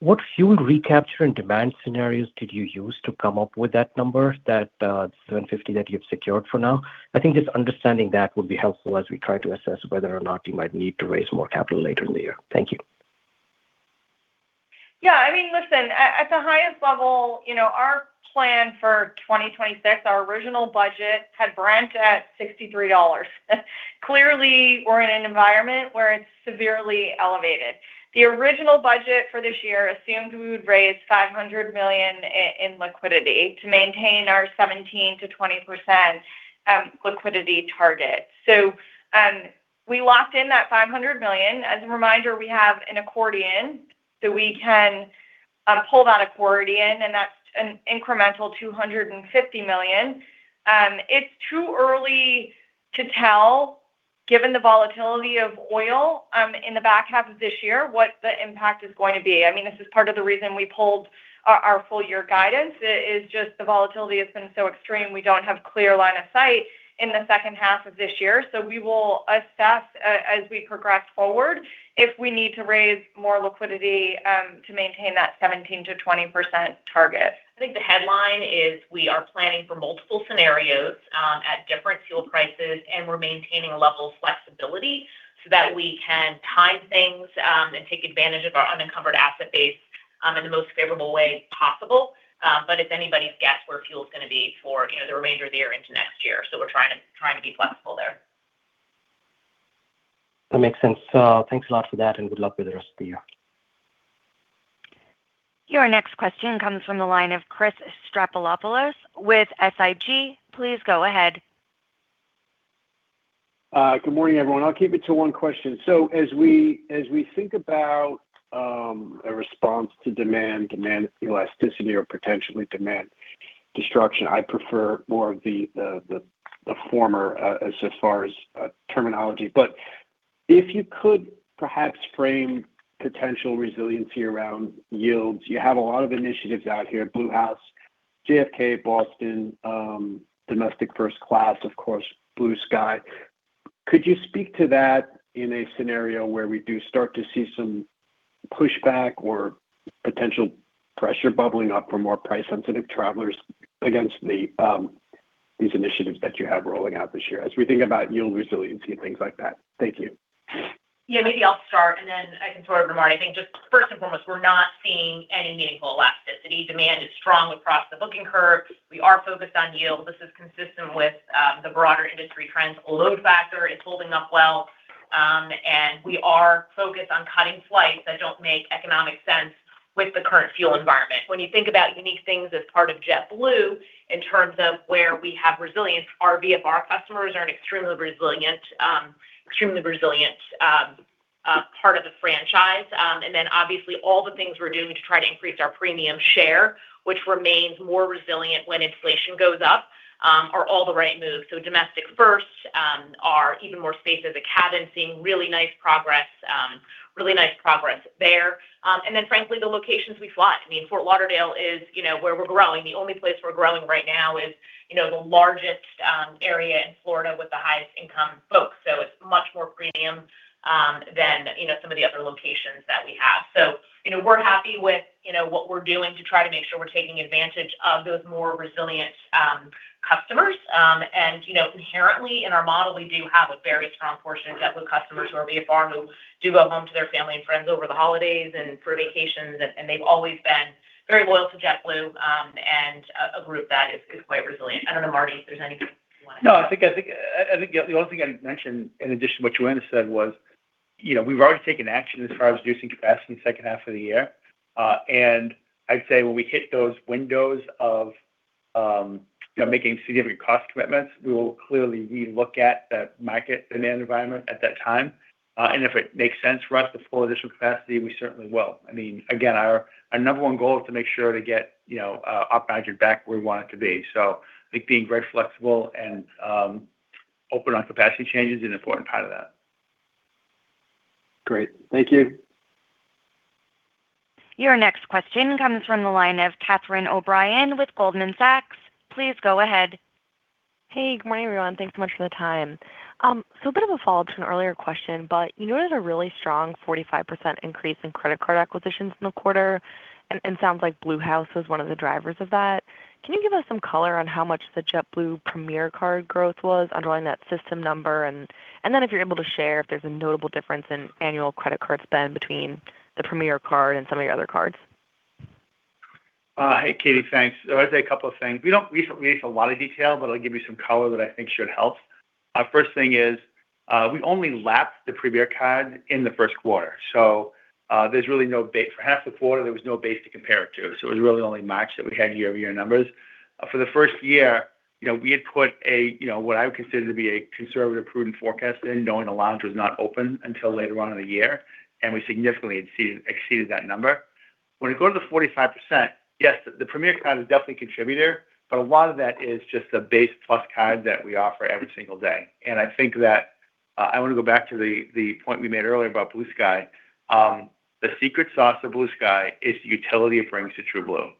what fuel recapture and demand scenarios did you use to come up with that number, that $750 that you've secured for now? I think just understanding that would be helpful as we try to assess whether or not you might need to raise more capital later in the year. Thank you. Yeah, our plan for 2026, our original budget had Brent at $63. Clearly, we're in an environment where it's severely elevated. The original budget for this year assumed we would raise $500 million in liquidity to maintain our 17%-20% liquidity target. We locked in that $500 million. As a reminder, we have an accordion, we can pull that accordion, that's an incremental $250 million. It's too early to tell, given the volatility of oil in the back half of this year, what the impact is going to be. This is part of the reason we pulled our full year guidance. It is just the volatility has been so extreme, we don't have clear line of sight in the second half of this year. We will assess as we progress forward if we need to raise more liquidity to maintain that 17%-20% target. I think the headline is we are planning for multiple scenarios at different fuel prices, and we're maintaining a level of flexibility so that we can time things and take advantage of our unencumbered asset base in the most favorable way possible. But it's anybody's guess where fuel's gonna be for, you know, the remainder of the year into next year, so we're trying to be flexible there. That makes sense. Thanks a lot for that, and good luck with the rest of the year. Your next question comes from the line of Christopher Stathoulopoulos with SIG. Please go ahead. Good morning, everyone. I'll keep it to one question. As we, as we think about a response to demand elasticity or potentially demand destruction, I prefer more of the former as far as terminology. If you could perhaps frame potential resiliency around yields, you have a lot of initiatives out here, BlueHouse, JFK, Boston, domestic first class, of course, Blue Sky. Could you speak to that in a scenario where we do start to see some pushback or potential pressure bubbling up for more price-sensitive travelers against these initiatives that you have rolling out this year, as we think about yield resiliency and things like that? Thank you. Yeah, maybe I'll start, and then I can throw it over to Marty. I think just first and foremost, we're not seeing any meaningful elasticity. Demand is strong across the booking curve. We are focused on yield. This is consistent with the broader industry trends. Load factor is holding up well. We are focused on cutting flights that don't make economic sense with the current fuel environment. When you think about unique things as part of JetBlue in terms of where we have resilience, our VFR customers are an extremely resilient part of the franchise. Obviously all the things we're doing to try to increase our premium share, which remains more resilient when inflation goes up, are all the right moves. Domestic first, our even more space in the cabin, seeing really nice progress there. Then frankly, the locations we fly. I mean, Fort Lauderdale is where we're growing. The only place we're growing right now is the largest area in Florida with the highest income folks. It's much more premium than some of the other locations that we have. We're happy with what we're doing to try to make sure we're taking advantage of those more resilient customers. Inherently in our model, we do have a very strong portion of JetBlue customers who are VFR, who do go home to their family and friends over the holidays and for vacations, and they've always been very loyal to JetBlue. A group that is quite resilient. I don't know, Marty, if there's anything you wanna? No, I think the only thing I'd mention in addition to what Joanna said was, you know, we've already taken action as far as reducing capacity in the second half of the year. I'd say when we hit those windows of, you know, making significant cost commitments, we will clearly relook at that market demand environment at that time. If it makes sense for us to pull additional capacity, we certainly will. I mean, again, our number one goal is to make sure to get, you know, our margin back where we want it to be. I think being very flexible and open on capacity changes is an important part of that. Great. Thank you. Your next question comes from the line of Catherine O'Brien with Goldman Sachs. Please go ahead. Hey. Good morning, everyone. Thanks so much for the time. A bit of a follow-up to an earlier question, you noted a really strong 45% increase in credit card acquisitions in the quarter, and sounds like BlueHouse was one of the drivers of that. Can you give us some color on how much the JetBlue Premier Card growth was underlying that system number, and then if you're able to share if there's a notable difference in annual credit card spend between the Premier Card and some of your other cards? Hey, Katie. Thanks. I would say a couple of things. We don't release a lot of detail, but I'll give you some color that I think should help. First thing is, we only lapped the Premier card in the first quarter. There's really no base. For half the quarter, there was no base to compare it to, so it was really only March that we had year-over-year numbers. For the first year, you know, we had put a, you know, what I would consider to be a conservative, prudent forecast in knowing the lounge was not open until later on in the year, and we significantly exceeded that number. When you go to the 45%, yes, the Premier card is definitely a contributor, but a lot of that is just the base Plus card that we offer every single day. I think that, I wanna go back to the point we made earlier about Blue Sky. The secret sauce of Blue Sky is the utility it brings to TrueBlue.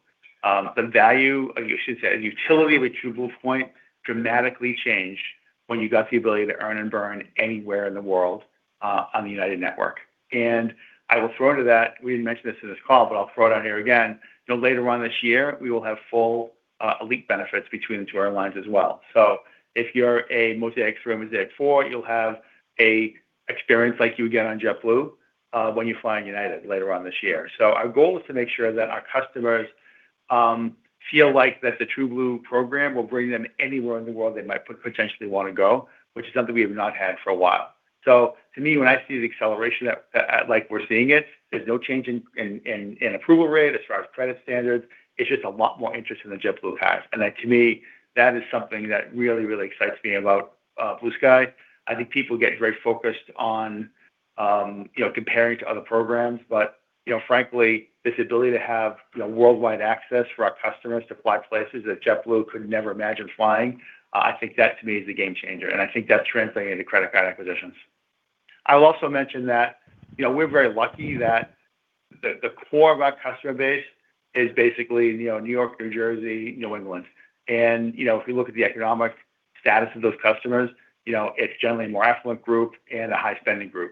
I should say the utility of a TrueBlue point dramatically changed when you got the ability to earn and burn anywhere in the world on the United network. I will throw into that, we didn't mention this in this call, but I'll throw it out here again. You know, later on this year, we will have full elite benefits between the two airlines as well. If you're a Mosaic X or Mosaic four, you'll have a experience like you would get on JetBlue when you fly on United later on this year. Our goal is to make sure that our customers feel like that the TrueBlue program will bring them anywhere in the world they might potentially wanna go, which is something we have not had for a while. To me, when I see the acceleration at like we're seeing it, there's no change in approval rate as far as credit standards. It's just a lot more interest in the JetBlue card. That to me, that is something that really excites me about Blue Sky. I think people get very focused on, you know, comparing to other programs. You know, frankly, this ability to have, you know, worldwide access for our customers to fly places that JetBlue could never imagine flying, I think that to me is the game changer, and I think that's translating into credit card acquisitions. I will also mention that, you know, we're very lucky that the core of our customer base is basically, you know, New York, New Jersey, New England. You know, if you look at the economic status of those customers, you know, it's generally a more affluent group and a high-spending group.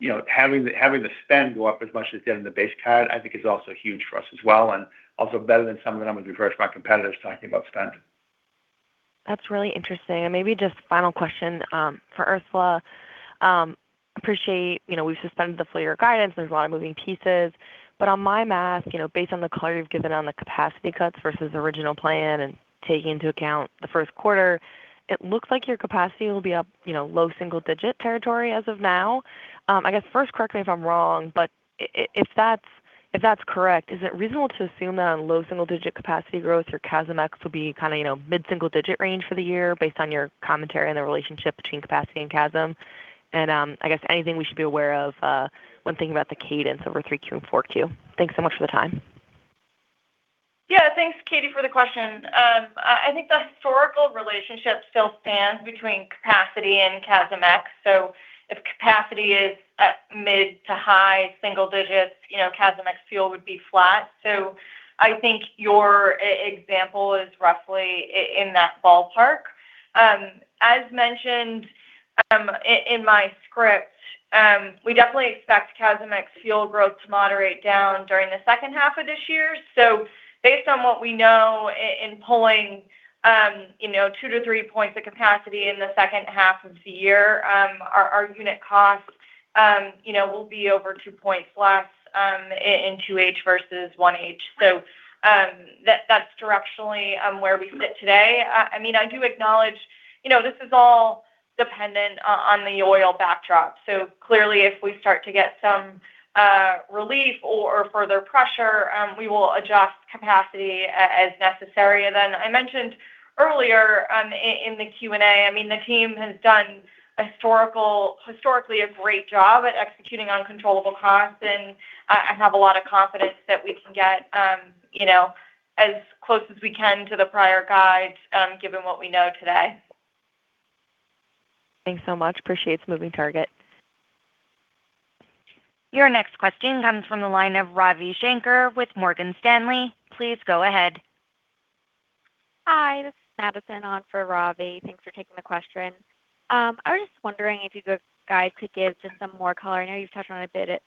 You know, having the, having the spend go up as much as it did on the base card I think is also huge for us as well, and also better than some of the numbers you've heard from our competitors talking about spend. That's really interesting. Maybe just final question for Ursula. Appreciate, you know, we've suspended the full year guidance. There's a lot of moving pieces. On my math, you know, based on the color you've given on the capacity cuts versus original plan and taking into account the first quarter, it looks like your capacity will be up, you know, low single-digit territory as of now. I guess first, correct me if I'm wrong, but if that's correct, is it reasonable to assume that on low single-digit capacity growth, your CASM ex-fuel would be kinda, you know, mid-single-digit range for the year based on your commentary on the relationship between capacity and CASM? I guess anything we should be aware of when thinking about the cadence over 3Q and 4Q? Thanks so much for the time. Yeah. Thanks, Katie, for the question. I think the historical relationship still stands between capacity and CASM ex-fuel. If capacity is at mid-to-high single digits, you know, CASM ex-fuel would be flat. I think your example is roughly in that ballpark. As mentioned, in my script, we definitely expect CASM ex-fuel growth to moderate down during the second half of this year. Based on what we know in pulling, you know, two to three points of capacity in the second half of the year, our unit cost, you know, will be over two points less in 2H versus 1H. That's directionally where we sit today. I mean, I do acknowledge, you know, this is all dependent on the oil backdrop. Clearly if we start to get some relief or further pressure, we will adjust capacity as necessary. I mentioned earlier, in the Q and A, I mean, the team has done historically a great job at executing uncontrollable costs, and I have a lot of confidence that we can get, you know, as close as we can to the prior guides, given what we know today. Thanks so much. Appreciate it's a moving target. Your next question comes from the line of Ravi Shanker with Morgan Stanley. Please go ahead. Hi, this is Madison on for Ravi. Thanks for taking the question. I was just wondering if you guys could give just some more color. I know you've touched on it a bit,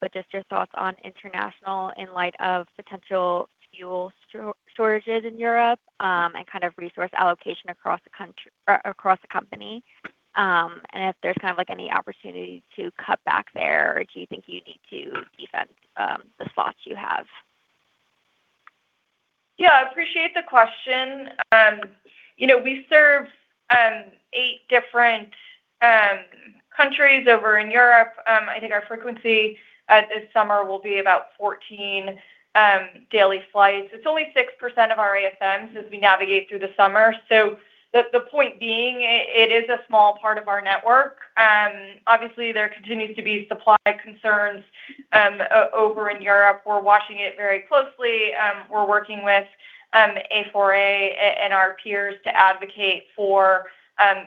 but just your thoughts on international in light of potential fuel storages in Europe, and kind of resource allocation across the company. If there's kind of like any opportunity to cut back there, or do you think you need to defend the spots you have? Yeah, I appreciate the question. You know, we serve 8 different countries over in Europe. I think our frequency this summer will be about 14 daily flights. It's only 6% of our ASMs as we navigate through the summer. The point being, it is a small part of our network. Obviously, there continues to be supply concerns over in Europe. We're watching it very closely. We're working with A4A and our peers to advocate for,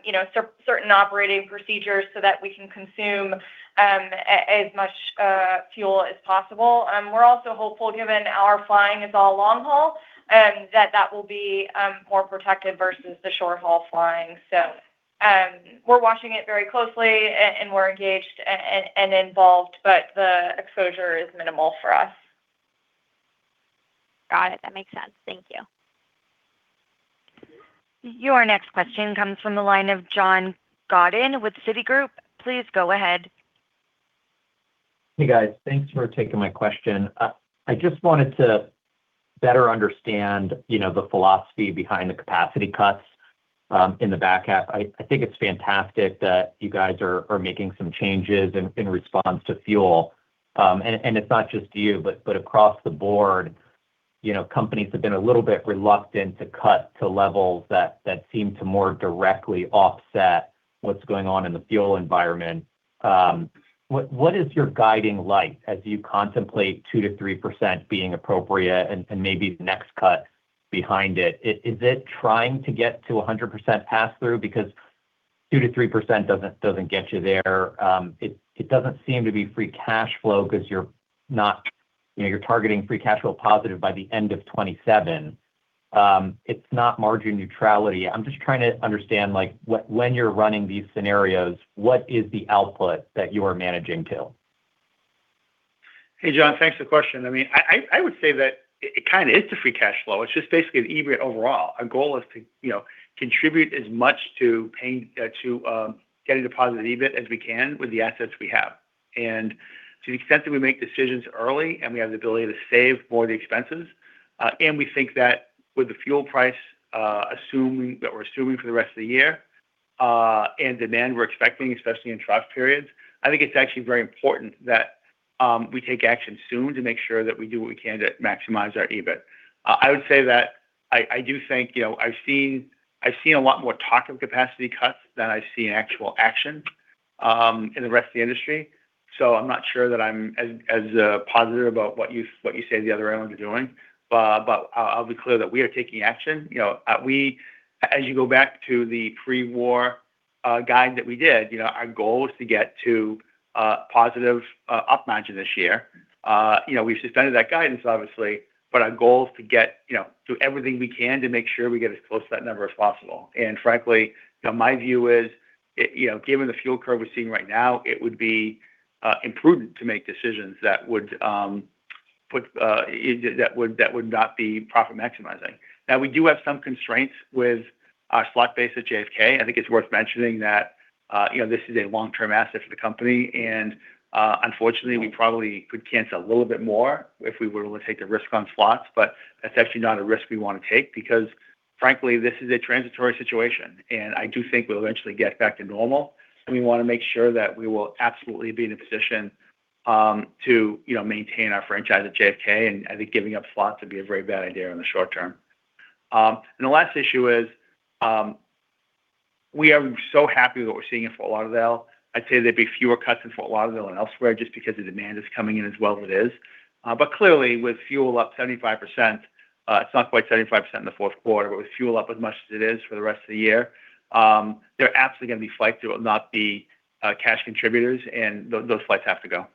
you know, certain operating procedures so that we can consume as much fuel as possible. We're also hopeful, given our flying is all long haul, that that will be more protected versus the short-haul flying. We're watching it very closely and we're engaged and involved, but the exposure is minimal for us. Got it. That makes sense. Thank you. Your next question comes from the line of John Godyn with Citigroup. Please go ahead. Hey, guys. Thanks for taking my question. I just wanted to better understand, you know, the philosophy behind the capacity cuts in the back half. I think it's fantastic that you guys are making some changes in response to fuel. It's not just you, but across the board, you know, companies have been a little bit reluctant to cut to levels that seem to more directly offset what's going on in the fuel environment. What is your guiding light as you contemplate 2%-3% being appropriate and maybe the next cut behind it? Is it trying to get to 100% pass-through? 2%-3% doesn't get you there. It doesn't seem to be free cash flow because you're not, you know, you're targeting free cash flow positive by the end of 27. It's not margin neutrality. I'm just trying to understand, like, when you're running these scenarios, what is the output that you are managing to? Hey, John. Thanks for the question. I mean, I would say that it kinda is the free cash flow. It's just basically the EBIT overall. Our goal is to, you know, contribute as much to paying, to getting a positive EBIT as we can with the assets we have. To the extent that we make decisions early and we have the ability to save more of the expenses, and we think that with the fuel price that we're assuming for the rest of the year, and demand we're expecting, especially in trough periods, I think it's actually very important that we take action soon to make sure that we do what we can to maximize our EBIT. I would say that I do think, you know, I've seen a lot more talk of capacity cuts than I've seen actual action in the rest of the industry. I'm not sure that I'm as positive about what you say the other airlines are doing. I'll be clear that we are taking action. You know, As you go back to the pre-war guide that we did, you know, our goal is to get to positive op margin this year. You know, we've suspended that guidance obviously, but our goal is to get, you know, do everything we can to make sure we get as close to that number as possible. Frankly, you know, my view is, you know, given the fuel curve we're seeing right now, it would be imprudent to make decisions that would put it, that would not be profit-maximizing. We do have some constraints with our slot base at JFK. I think it's worth mentioning that, you know, this is a long-term asset for the company, and unfortunately, we probably could cancel a little bit more if we were willing to take the risk on slots. That's actually not a risk we wanna take because, frankly, this is a transitory situation, and I do think we'll eventually get back to normal. We wanna make sure that we will absolutely be in a position, you know, to maintain our franchise at JFK, and I think giving up slots would be a very bad idea in the short term. The last issue is we are so happy with what we're seeing in Fort Lauderdale. I'd say there'd be fewer cuts in Fort Lauderdale than elsewhere just because the demand is coming in as well as it is. Clearly, with fuel up 75%, it's not quite 75% in the fourth quarter, but with fuel up as much as it is for the rest of the year, there are absolutely gonna be flights that will not be cash contributors, and those flights have to go.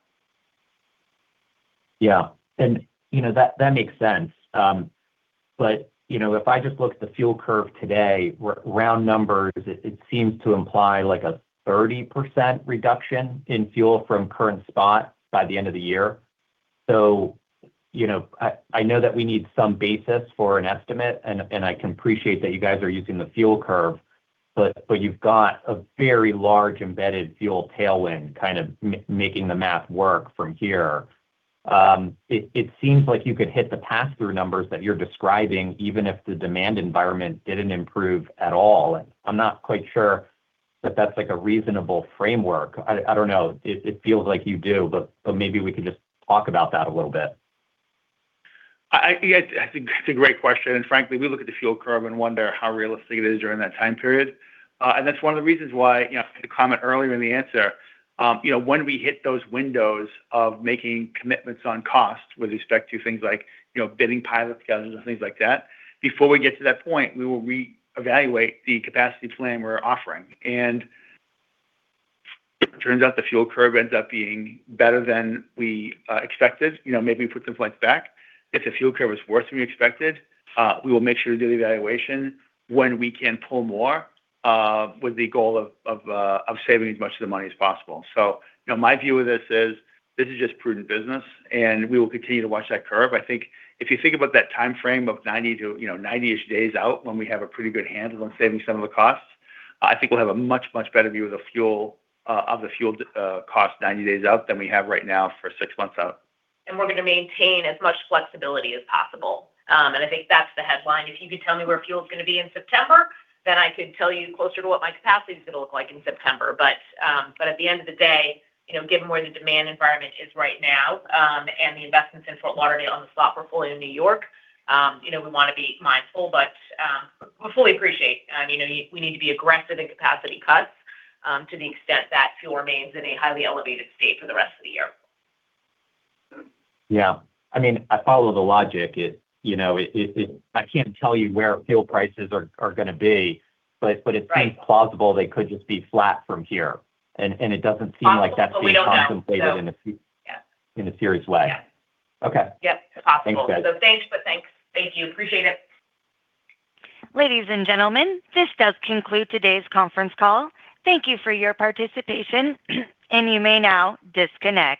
Yeah, you know, that makes sense. You know, if I just look at the fuel curve today, round numbers, it seems to imply, like, a 30% reduction in fuel from current spot by the end of the year. You know, I know that we need some basis for an estimate, and I can appreciate that you guys are using the fuel curve, but you've got a very large embedded fuel tailwind kind of making the math work from here. It seems like you could hit the pass-through numbers that you're describing even if the demand environment didn't improve at all. I'm not quite sure that that's, like, a reasonable framework. I don't know. It feels like you do, but maybe we could just talk about that a little bit? I think that's a great question. Frankly, we look at the fuel curve and wonder how realistic it is during that time period. That's one of the reasons why, you know, I made a comment earlier in the answer, you know, when we hit those windows of making commitments on cost with respect to things like, you know, bidding pilot schedules and things like that, before we get to that point, we will reevaluate the capacity plan we're offering. If it turns out the fuel curve ends up being better than we expected, you know, maybe we put some flights back. If the fuel curve is worse than we expected, we will make sure to do the evaluation when we can pull more with the goal of saving as much of the money as possible. you know, my view of this is, this is just prudent business, and we will continue to watch that curve. I think if you think about that timeframe of 90 to, you know, 90-ish days out when we have a pretty good handle on saving some of the costs, I think we'll have a much, much better view of the fuel cost 90 days out than we have right now for six months out. We're gonna maintain as much flexibility as possible. I think that's the headline. If you could tell me where fuel's gonna be in September, then I could tell you closer to what my capacity is gonna look like in September. At the end of the day, you know, given where the demand environment is right now, and the investments in Fort Lauderdale and the slot portfolio in New York, you know, we wanna be mindful, we fully appreciate, I mean, you know, we need to be aggressive in capacity cuts, to the extent that fuel remains in a highly elevated state for the rest of the year. Yeah. I mean, I follow the logic. It, you know, I can't tell you where fuel prices are gonna be, but it seems plausible they could just be flat from here. And it doesn't seem like that's being contemplated in a. Yeah In a serious way. Yeah. Okay. Yep. It's possible. Thanks, guys. Thanks, but thanks. Thank you. Appreciate it. Ladies and gentlemen, this does conclude today's conference call. Thank you for your participation, and you may now disconnect.